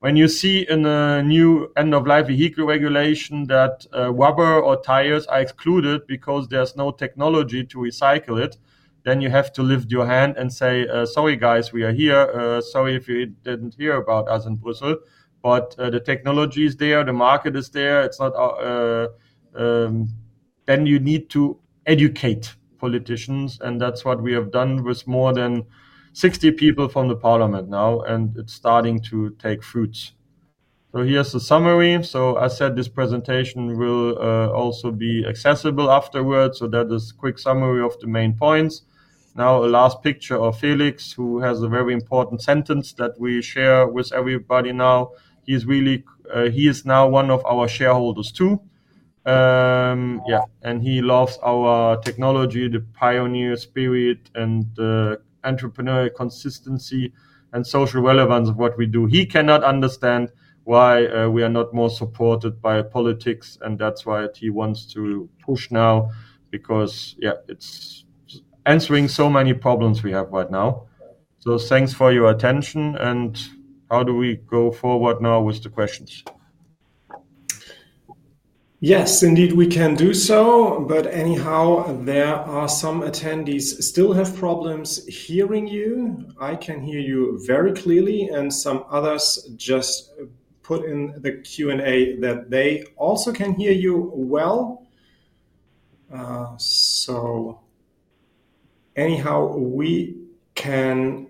When you see in a new end-of-life vehicle regulation that rubber or tires are excluded because there's no technology to recycle it, you have to lift your hand and say, sorry guys, we are here. Sorry if you didn't hear about us in Brussels, but the technology is there, the market is there. It's not. You need to educate politicians, and that's what we have done with more than 60 people from the Parliament now, and it's starting to take fruits. Here is the summary. This presentation will also be accessible afterwards. That is a quick summary of the main points. Now a last picture of Felix, who has a very important sentence that we share with everybody now. He is now one of our shareholders too, and he loves our technology, the pioneer spirit, and entrepreneurial consistency and social relevance of what we do. He cannot understand why we are not more supported by politics, and that's why he wants to push now because it's answering so many problems we have right now. Thanks for your attention. How do we go forward now with the questions? Yes, indeed, we can do so. Anyhow, there are some attendees who still have problems hearing you. I can hear you very clearly, and some others just put in the Q&A that they also can hear you well. Anyhow, we can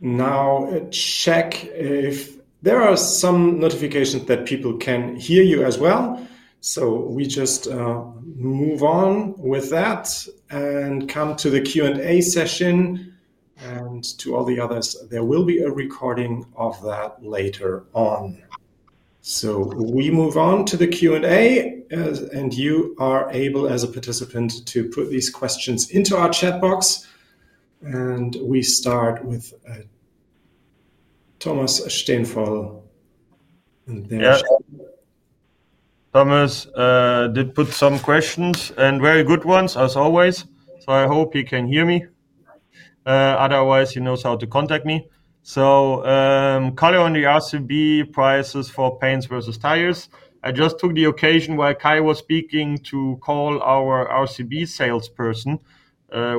now check if there are some notifications that people can hear you as well. We just move on with that and come to the Q&A session. To all the others, there will be a recording of that later on. We move on to the Q&A, and you are able as a participant to put these questions into our chat box. We start with Thomas Stenfall. Thomas did put some questions and very good ones as always. I hope he can hear me, otherwise he knows how to contact me. Color on the RCB prices for paints versus tires. I just took the occasion while Kai was speaking to call our RCB salesperson,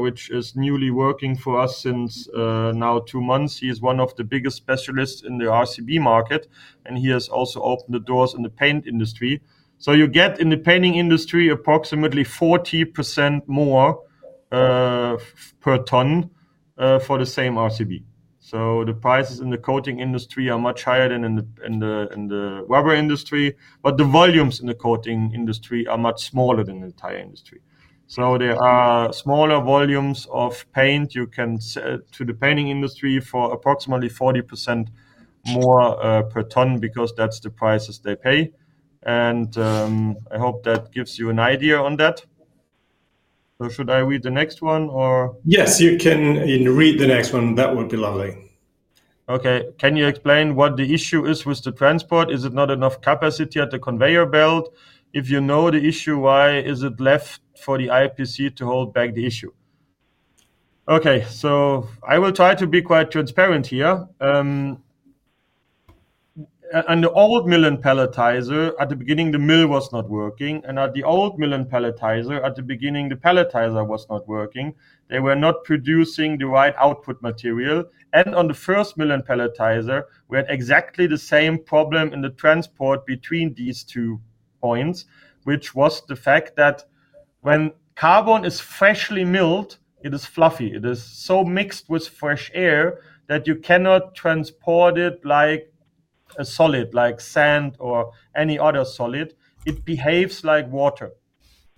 which is newly working for us since now two months. He is one of the biggest specialists in the RCB market and he has also opened the doors in the paint industry. You get in the painting industry approximately 40% more per ton for the same RCB. The prices in the coating industry are much higher than in the rubber industry. The volumes in the coating industry are much smaller than the tire industry. There are smaller volumes of paint you can sell to the painting industry for approximately 40% more per ton because that's the prices they pay. I hope that gives you an idea on that. Should I read the next one or. Yes, you can read the next one. That would be lovely. Okay, can you explain what the issue is with the transport? Is it not enough capacity at the conveyor belt? If you know the issue, why is it left for the EPC to hold back the issue? Okay, I will try to be quite transparent here. At the old mill and pelletizer, at the beginning, the mill was not working. At the old mill and pelletizer, at the beginning, the pelletizer was not working. They were not producing the right output material. On the first mill and pelletizer, we had exactly the same problem in the transport between these two points, which was the fact that when carbon is freshly milled, it is fluffy. It is so mixed with fresh air that you cannot transport it like a solid, like sand or any other solid, it behaves like water.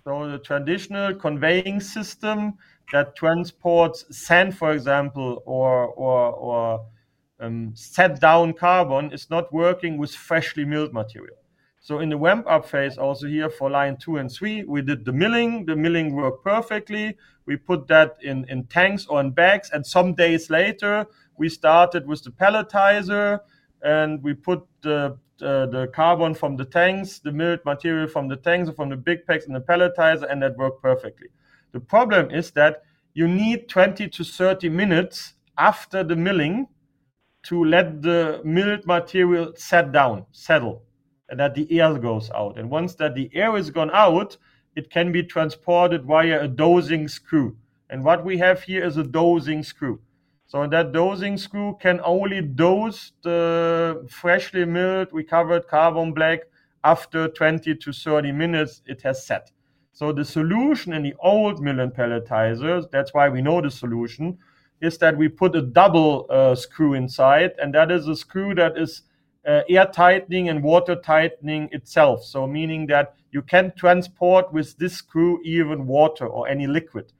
The traditional conveying system that transports sand, for example, or set down carbon is not working with freshly milled material. In the ramp up phase, also here for line two and three, we did the milling. The milling worked perfectly. We put that in tanks or in bags. Some days later we started with the pelletizer. We put the carbon from the tanks, the milled material from the tanks, from the big packs in the pelletizer. That worked perfectly. The problem is that you need 20 to 30 minutes after the milling to let the milled material set down, settle, that the air goes out. Once the air is gone out, it can be transported via a dosing screw. What we have here is a dosing screw. That dosing screw can only dose the freshly milled recovered carbon black after 20 to 30 minutes it has set. The solution in the old mill and pelletizer, that's why we know the solution, is that we put a double screw inside. That is a screw that is air tightening and water tightening itself, meaning that you can transport with this screw even water or any liquid.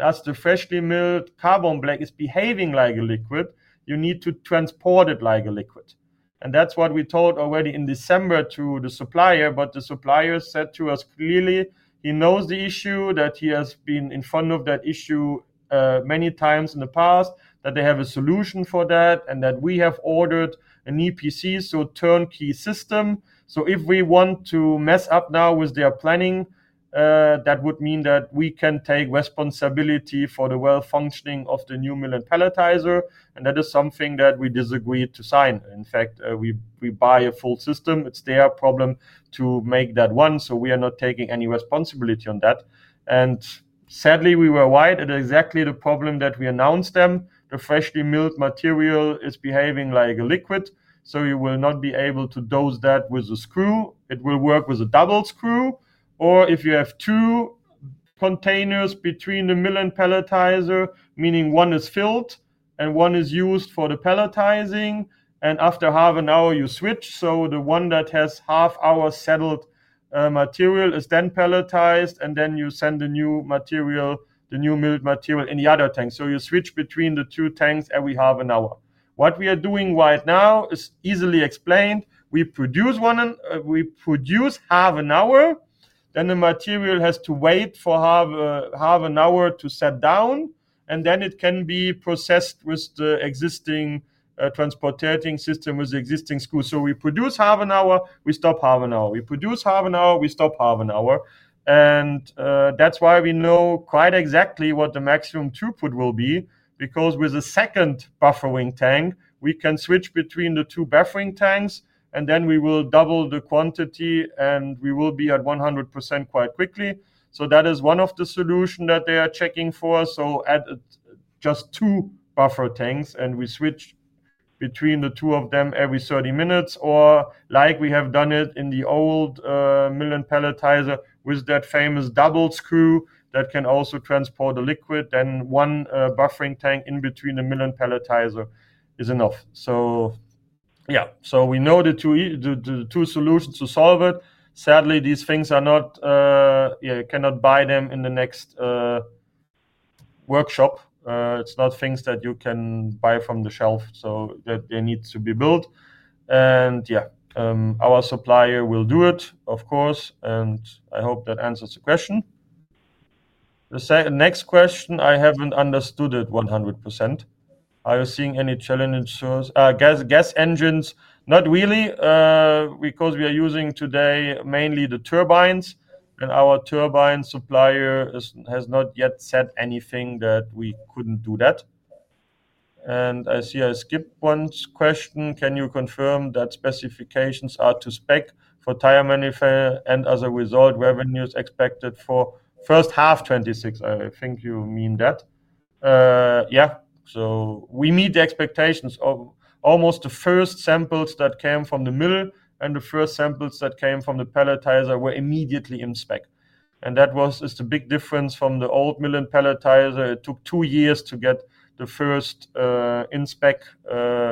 As the freshly milled carbon black is behaving like a liquid, you need to transport it like a liquid. That's what we told already in December to the supplier. The supplier said to us clearly he knows the issue, that he has been in front of that issue many times in the past, that they have a solution for that and that we have ordered an EPC, so turnkey system. If we want to mess up now with their planning, that would mean that we can take responsibility for the well functioning of the new mill and pelletizer. That is something that we disagreed to sign. In fact, we buy a full system, it's their problem to make that one. We are not taking any responsibility on that. Sadly, we were right at exactly the problem that we announced to them. The freshly milled material is behaving like a liquid. You will not be able to dose that with a screw. It will work with a double screw, or if you have two containers between the mill and pelletizer, meaning one is filled and one is used for the pelletizing. After half an hour, you switch. The one that has half hour settled material is then pelletized, and then you send the new material, the new milled material, in the other tank. You switch between the two tanks every 30 minutes. What we are doing right now is easily explained. We produce half an hour, and the material has to wait for half an hour to set down. Then it can be processed with the existing transporting system, with the existing screw. We produce half an hour, we stop half an hour. We produce half an hour, we stop half an hour. That's why we know quite exactly what the maximum throughput will be. With a second buffering tank, we can switch between the two buffering tanks, and then we will double the quantity and we will be at 100% quite quickly. That is one of the solutions that they are checking for. Add just two buffer tanks and we switch between the two of them every 30 minutes. Or, like we have done it in the old mill and pelletizer with that famous double screw that can also transport the liquid, then one buffering tank in between the mill and pelletizer is enough. We know the two solutions to solve it. Sadly, these things are not, you cannot buy them in the next workshop. It's not things that you can buy from the shelf. They need to be built. Our supplier will do it, of course. I hope that answers the question. The next question, I haven't understood it 100%. Are you seeing any challenges gas engines? Not really. We are using today mainly the turbines, and our turbine supplier has not yet said anything that we couldn't do that. I see I skipped one question. Can you confirm that specifications are to spec for tire manufacture and as a result revenues expected for first half 2026? I think you mean that. We meet the expectations of almost the first samples that came from the mill, and the first samples that came from the pelletizer were immediately in spec. That was the big difference from the old mill pelletizer. It took two years to get the first in-spec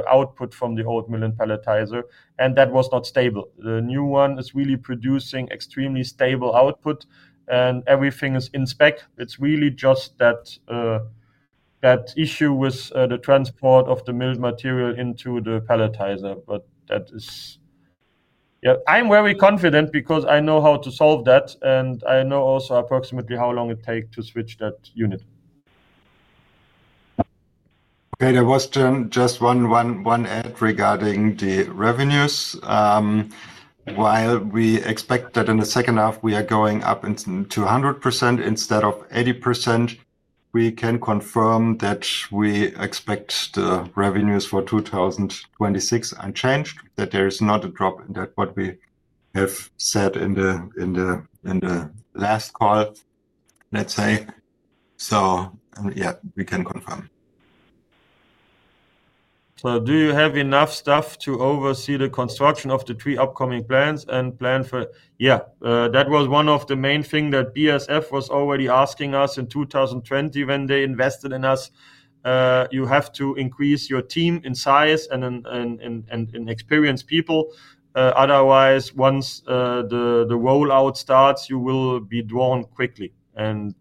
output from the old mill pelletizer and that was not stable. The new one is really producing extremely stable output and everything is in-spec. It's really just that issue with the transport of the milled material into the pelletizer. I am very confident because I know how to solve that, and I know also approximately how long it takes to switch that unit. Okay, there was just one ad regarding the revenues. While we expect that in the second half we are going up 200% instead of 80%, we can confirm that we expect the revenues for 2026 unchanged. That there is not a drop in that. What we have said in the last call, let's say so. Yeah, we can confirm. Do you have enough staff to oversee the construction of the three upcoming plants and plan for them? That was one of the main things that BASF was already asking us in 2020 when they invested in us. You have to increase your team in size and in experienced people. Otherwise, once the rollout starts, you will be drawn quickly. That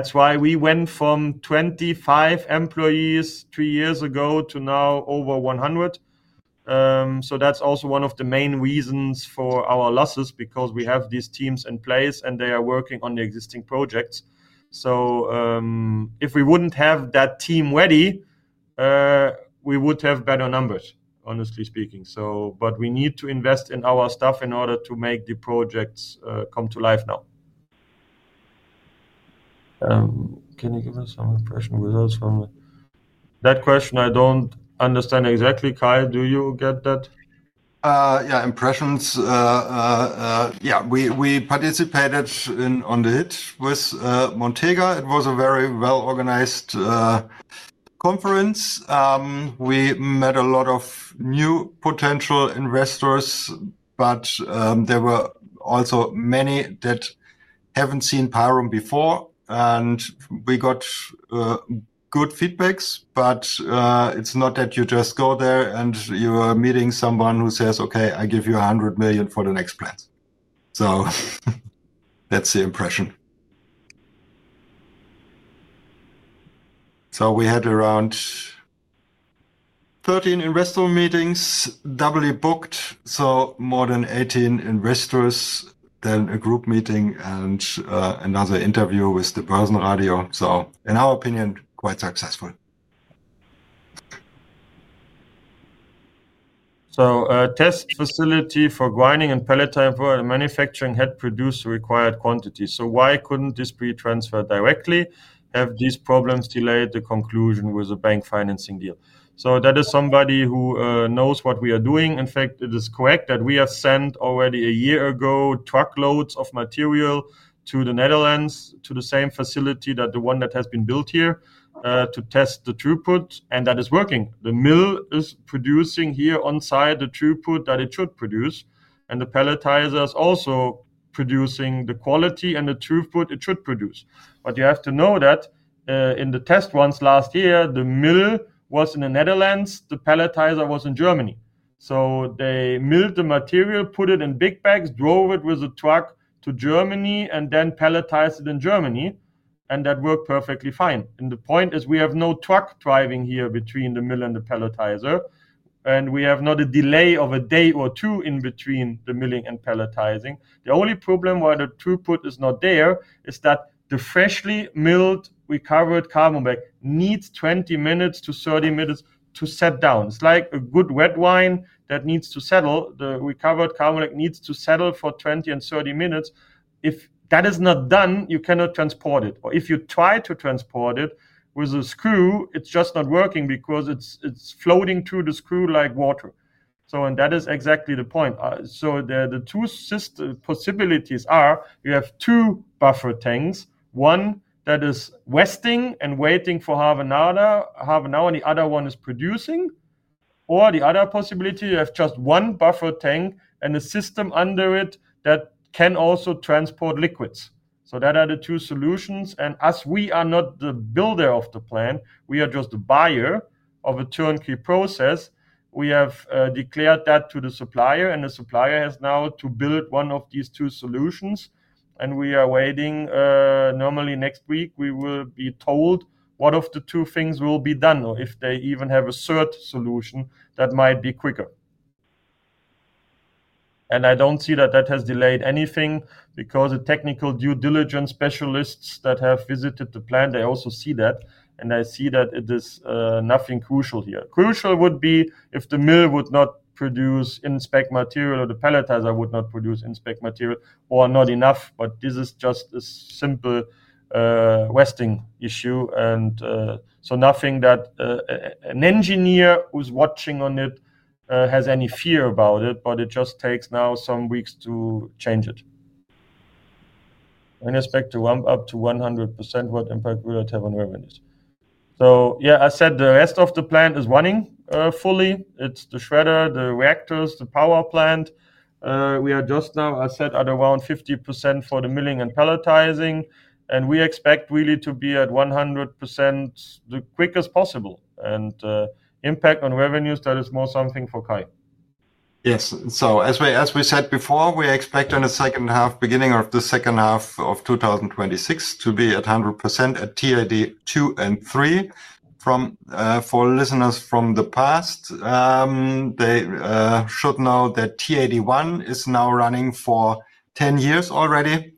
is why we went from 25 employees three years ago to now over 100. That is also one of the main reasons for our losses because we have these teams in place and they are working on the existing projects. If we would not have that team ready, we would have better numbers, honestly speaking. We need to invest in our staff in order to make the projects come to life. Can you give us some impression results from that question? I do not understand exactly. Kai, do you get that? Yeah, impressions. Yeah. We participated on the hit with Montega. It was a very well organized conference. We met a lot of new potential investors. There were also many that haven't seen Pyrum before, and we got good feedback. It's not that you just go there and you are meeting someone who says okay, I give you $100 million for the next plant. That's the impression. We had around 13 investor meetings doubly booked, so more than 18 investors, then a group meeting and another interview with the person radio. In our opinion, quite successful. A test facility for grinding and pellet type manufacturing had produced required quantities. Why couldn't this be transferred directly? Have these problems delayed the conclusion with a bank financing deal? That is somebody who knows what we are doing. In fact, it is correct that we have sent already a year ago truckloads of material to the Netherlands to the same facility that the one that has been built here to test the throughput, and that is working. The mill is producing here on site the throughput that it should produce, and the pelletizer is also producing the quality and the throughput it should produce. You have to know that in the test runs last year, the mill was in the Netherlands, the pelletizer was in Germany. They milled the material, put it in big bags, drove it with a truck to Germany, and then pelletized it in Germany. That worked perfectly fine. The point is, we have no truck driving here between the mill and the pelletizer, and we have not a delay of a day or two in between the milling and pelletizing. The only problem where the throughput is not there is that the freshly milled recovered carbon black needs 20 minutes to 30 minutes to set down. It's like a good wet wine that needs to settle. The recovered carbon needs to settle for 20 and 30 minutes. If that is not done, you cannot transport it. If you try to transport it with a screw, it's just not working because it's floating through the screw like water. That is exactly the point. The two system possibilities are you have two buffer tanks, one that is resting and waiting for harvest now, and the other one is producing. The other possibility, you have just one buffer tank and a system under it that can also transport liquids. Those are the two solutions. As we are not the builder of the plant, we are just a buyer of a turnkey process. We have declared that to the supplier and the supplier has now to build one of these two solutions. We are waiting. Normally next week we will be told one of the two things will be done or if they even have a third solution that might be quicker. I don't see that that has delayed anything because the technical due diligence specialists that have visited the plant also see that and I see that it is nothing crucial here. Crucial would be if the mill would not produce in-spec material or the pelletizer would not produce in-spec material or not enough. This is just a simple Westing issue, and nothing that an engineer who's watching on it has any fear about. It just takes now some weeks to change it in respect to ramp up to 100%. What impact we are tavern revenues. I said the rest of the plant is running fully. It's the shredder, the reactors, the power plant. We are just now, I said, at around 50% for the milling and pelletizing, and we expect really to be at 100% the quickest possible. Impact on revenues, that is more something for Kai. Yes. As we said before, we expect in the second half, beginning of the second half of 2026, to be at 100% at TAD 2 and 3. For listeners from the past, they should know that TAD 1 is now running for 10 years already.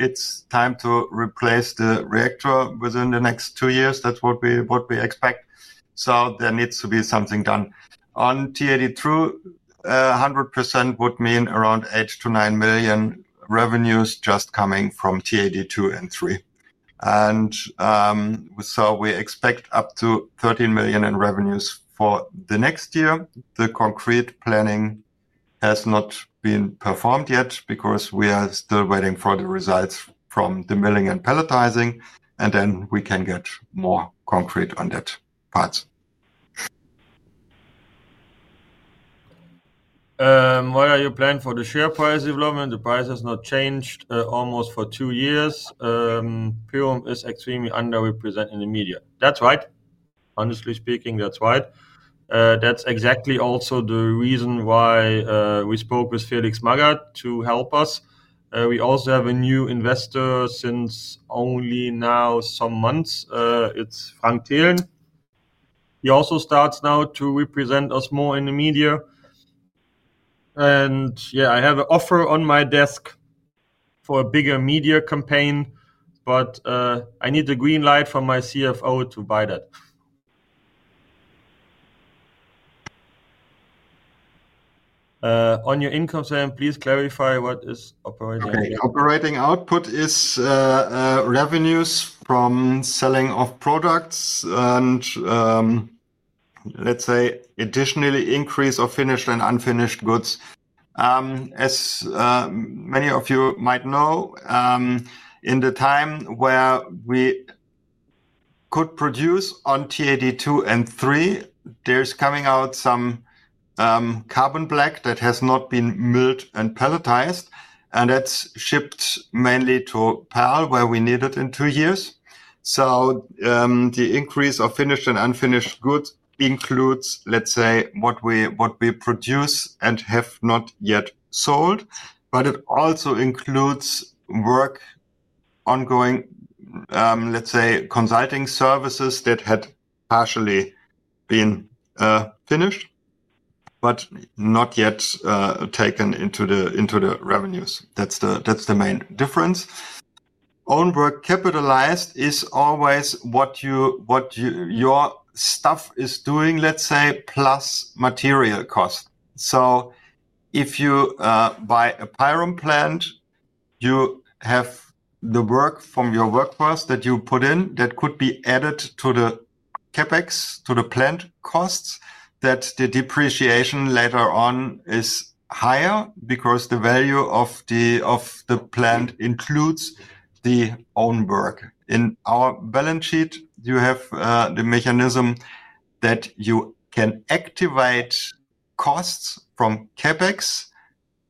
It's time to replace the reactor within the next two years. That's what we expect. There needs to be something done on TAD 1. 100% would mean around €8 to €9 million revenues just coming from TAD 2 and 3, and we expect up to €13 million in revenues for the next year. The concrete planning has not been performed yet because we are still waiting for the results from the milling and pelletizing, and then we can get more concrete on that part. What are your plan for the share price development? The price has not changed almost for two years. Pyrum is extremely underrepresented in the media. That's right. Honestly speaking, that's right. That's exactly. Also the reason why we spoke with Felix Magath to help us. We also have a new investor since only now some months. It's Frank Thiern, he also starts now to represent us more in the media. Yeah, I have an offer on my desk for a bigger media campaign, but I need the green light from my CFO to buy that. On your income statement, please clarify what is operating output? Operating output is revenues from selling of products and, let's say, additionally increase of finished and unfinished goods. As many of you might know, in the time where we could produce on TAD 2 and 3, there's coming out some carbon black that has not been milled and pelletized and that's shipped mainly to Perl-Besch where we need it in two years. The increase of finished and unfinished goods includes, let's say, what we produce and have not yet produced sold. It also includes work ongoing, let's say, consulting services that had partially been finished but not yet taken into the revenues. That's the main difference. Own work capitalized is always what your staff is doing, let's say, plus material cost. If you buy a Pyrum plant, you have the work from your workforce that you put in that could be added to the CapEx to the plant costs so that the depreciation later on is higher because the value of the plant includes the own work. In our balance sheet, you have the mechanism that you can activate costs from CapEx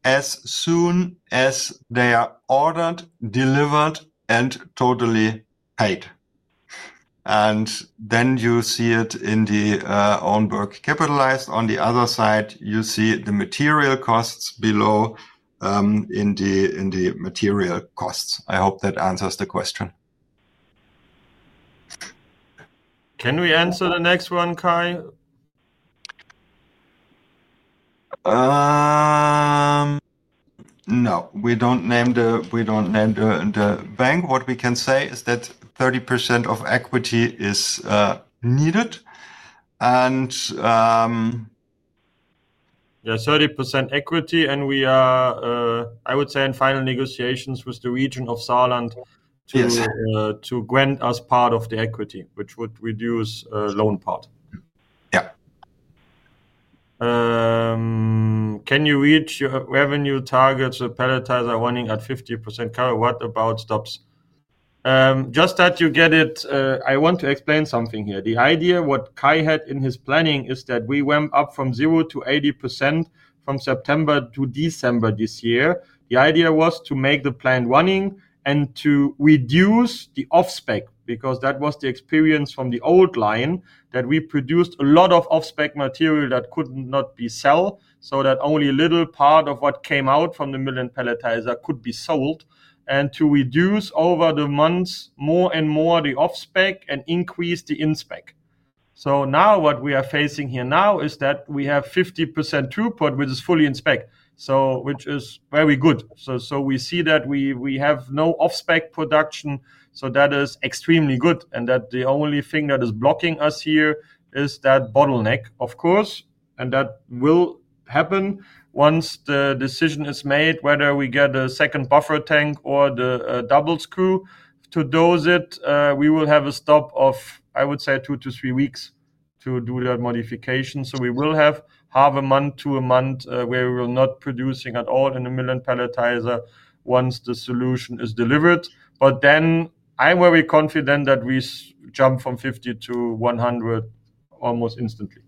as soon as they are ordered, delivered, and totally paid. Then you see it in the own work capitalized. On the other side, you see the material costs below in the material costs. I hope that answers the question. Can we answer the next one, Kai? No, we don't name the bank. What we can say is that 30% of equity is needed. Yeah, 30% equity. We are, I would say, in final negotiations with the region of Saarland to grant us part of the equity, which would reduce the loan part. Yeah. Can you reach your revenue targets with PAR are running at 50%? Carol, what about stops? Just that you get it. I want to explain something here. The idea what Kai had in his planning is that we went up from 0 to 80% from September to December this year. The idea was to make the plant running and to reduce the offspec because that was the experience from the old line that we produced a lot of offspec material that could not be sell so that only a little part of what came out from the million pelletizer could be sold and to reduce over the months more and more the offspec and increase the inspec. Now what we are facing here now is that we have 50% throughput which is fully inspec, which is very good. We see that we have no offspec production. That is extremely good. The only thing that is blocking us here is that bottleneck. Of course, that will happen once the decision is made whether we get a second buffer tank or the double screw to dose it. We will have a stop of, I would say, two to three weeks to do that modification. We will have half a month to a month where we will not producing at all in the million pelletizer once the solution is delivered. I am very confident that we jump from 50% to 100% almost instantly.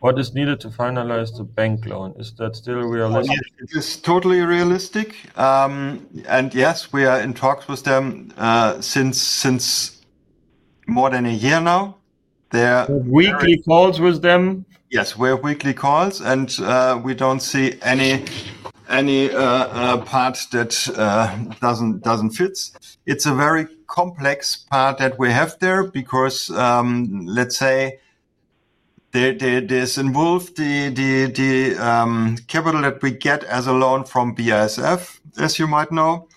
What is needed to finalize the bank loan? Is that still realistic? It's totally realistic. Yes, we are in talks with them since more than a year now. We have weekly calls with them. Yes, we have weekly calls and we don't see any part that doesn't fit. It's a very complex part that we have there because, let's say, this involved the capital that we get as a loan from BASF. As you might know,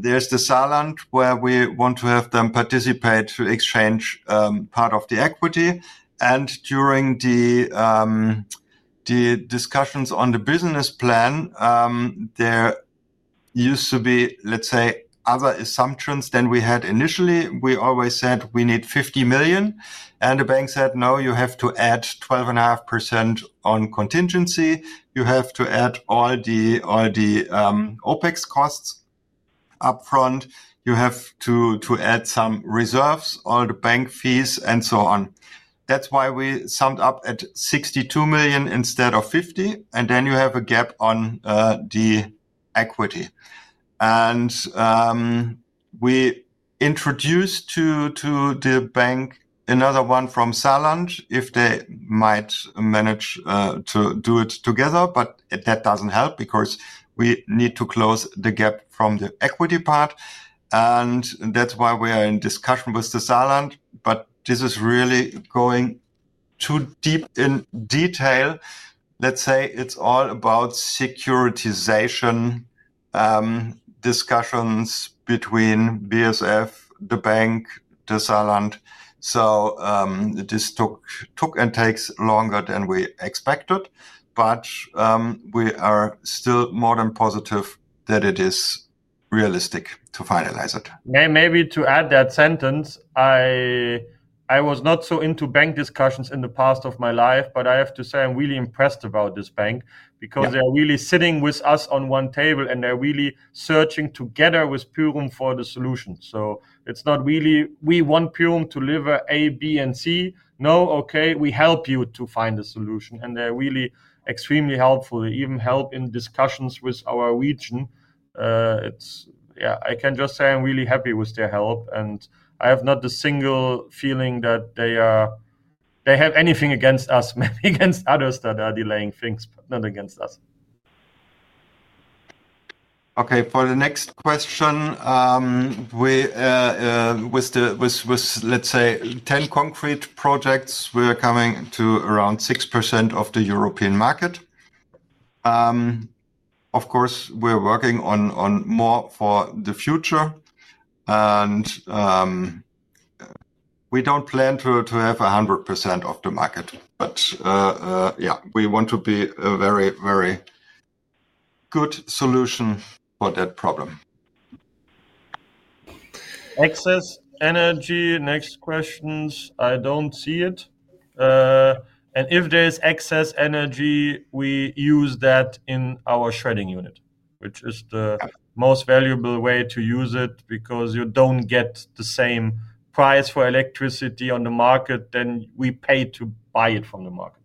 there's the Saarland where we want to have them participate to exchange part of the equity. During the discussions on the business plan, there used to be, let's say, other assumptions than we had initially. We always said we need €50 million and the bank said no, you have to add €12.5 million, 0.5% on contingency. You have to add all the OpEx costs up front, you have to add some reserves, all the bank fees and so on. That's why we summed up at €62 million instead of €50 million. Then you have a gap on the equity. We introduced to the bank another one from Saarland if they might manage to do it together. That doesn't help because we need to close the gap from the equity part. That's why we are in discussion with the Saarland. This is really going too deep in detail. It's all about securitization discussions between BASF, the bank, the Saarland. This took, took and takes longer than we expected. We are still more than positive that it is realistic to finalize it. Maybe to add that sentence, I was not so into bank discussions in the past of my life. I have to say I'm really impressed about this bank because they are really sitting with us on one table and they're really searching together with Pyrum for the solution. It's not really, we want Pyrum to deliver A, B, and C. No, okay, we help you to find a solution and they're really extremely helpful. They even help in discussions with our region. I can just say I'm really happy with their help and I have not the single feeling that they have anything against us, against others that are delaying things, not against us. Okay, for the next question, let's say 10 concrete projects. We're coming to around 6% of the European market. Of course, we're working on more for the future, and we don't plan to have 100% of the market. Yeah, we want to be a very, very good solution for that problem. Excess energy. Next questions. I don't see it. If there is excess energy, we use that in our shredding unit, which is the most valuable way to use it, because you don't get the same price for electricity on the market as we pay to buy it from the market.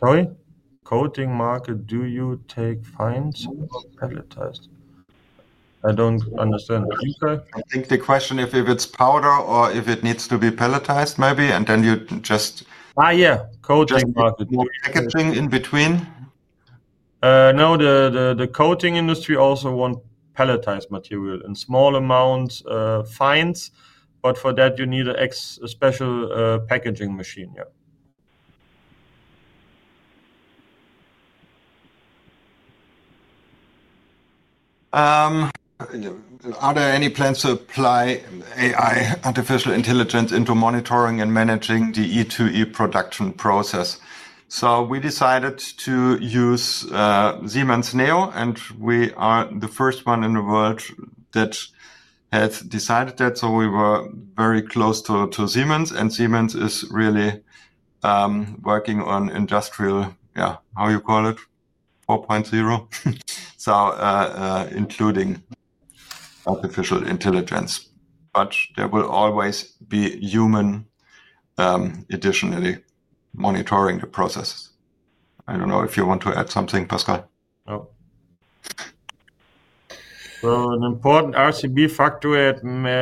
Sorry, coating market. Do you take fines pelletized? I don't understand. I think the question if it's powder or if it needs to be pelletized, maybe, and then you just. Ah, yeah. Coating packet in between. No, the coating industry also want pelletized material and small amount fines. For that you need a special packaging machine. Are there any plans to apply AI artificial intelligence into monitoring and managing the E2E production process? We decided to use Siemens Neo and we are the first one in the world that has decided that. We were very close to Siemens. Siemens is really working on industrial, yeah, how you call it, 4.0, including artificial intelligence. There will always be human additionally monitoring the processes. I don't know if you want to add something, Pascal. No. So an important RCB factor had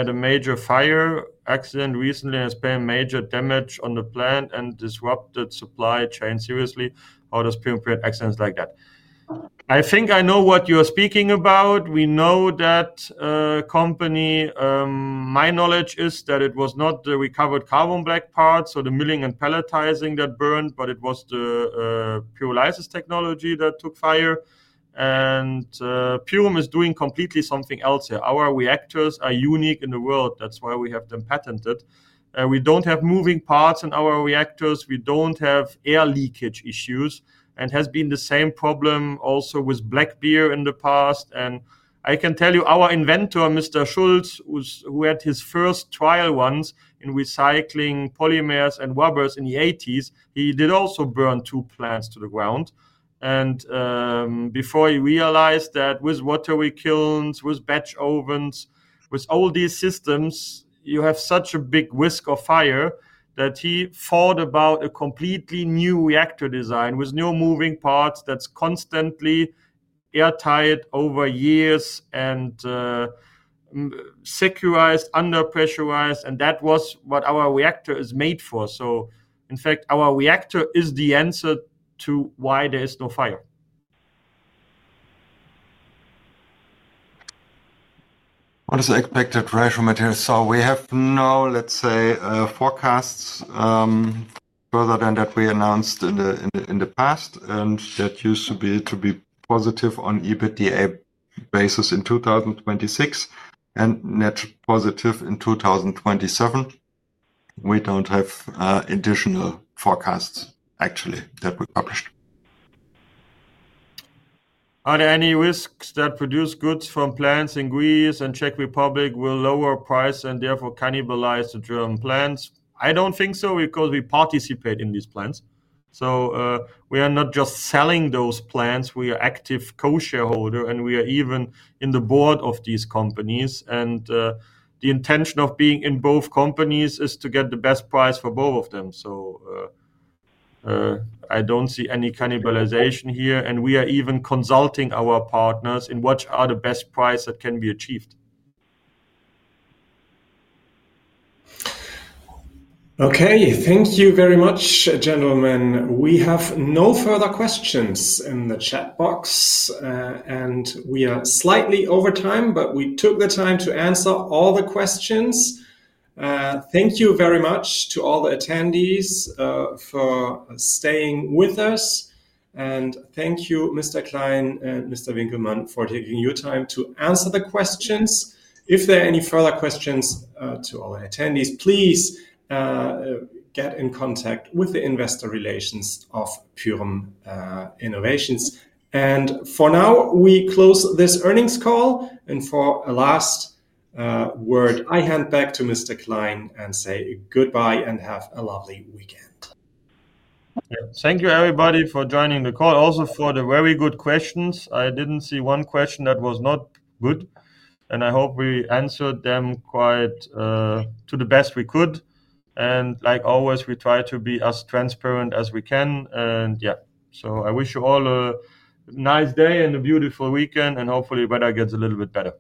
a major fire accident recently. There has been major damage on the plant and disrupted supply chain. Seriously, how does accidents like that? I think I know what you are speaking about. We know that company. My knowledge is that it was not the recovered carbon black part, so the milling and pelletizing that burned, but it was the purely technology that took fire. Pyrum is doing completely something else. Our reactors are unique in the world. That's why we have them patented. We don't have moving parts in our reactors. We don't have air leakage issues. There has been the same problem also with Black Bear in the past. I can tell you our inventor, Mr. Schultz, who had his first trial once in recycling polymers and rubbers in the 1980s, he did also burn two plants to the ground. Before he realized that with rotary kilns, with batch ovens, with all these systems you have such a big risk of fire that he thought about a completely new reactor design with no moving parts, that's constantly airtight over years and securized under pressurized. That was what our reactor is made for. In fact, our reactor is the answer to why there is no fire. What is the expected ratio material? We have no forecasts further than that we announced in the past. That used to be positive on EBITDA basis in 2026 and net positive in 2027. We don't have additional forecasts actually that we published. Are there any risks that produce goods from plants in Greece and Czech Republic will lower price and therefore cannibalize the German plants? I don't think so, because we participate in these plants. We are not just selling those plants. We are active co-shareholder and we are even in the board of these companies. The intention of being in both companies is to get the best price for both of them. I don't see any cannibalization here. We are even consulting our partners in what are the best price that can be achieved. Okay, thank you very much gentlemen. We have no further questions in the chat box. We are slightly over time, but we took the time to answer all the questions. Thank you very much to all the attendees for staying with us, and thank you Mr. Klein and Mr. Winkelmann for taking your time to answer the questions. If there are any further questions to our attendees, please get in contact with the investor relations of Pyrum Innovations. For now we close this earnings call. For a last word I hand back to Mr. Klein and say goodbye and have a lovely weekend. Thank you everybody for joining the call. Also for the very good questions. I didn't see one question that was not good, and I hope we answered them quite to the best we could. Like always, we try to be as transparent as we can. I wish you all a nice day and a beautiful weekend, and hopefully weather gets a little bit better.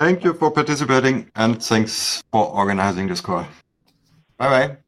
Thank you for participating, and thanks for organizing this call. All right, bye.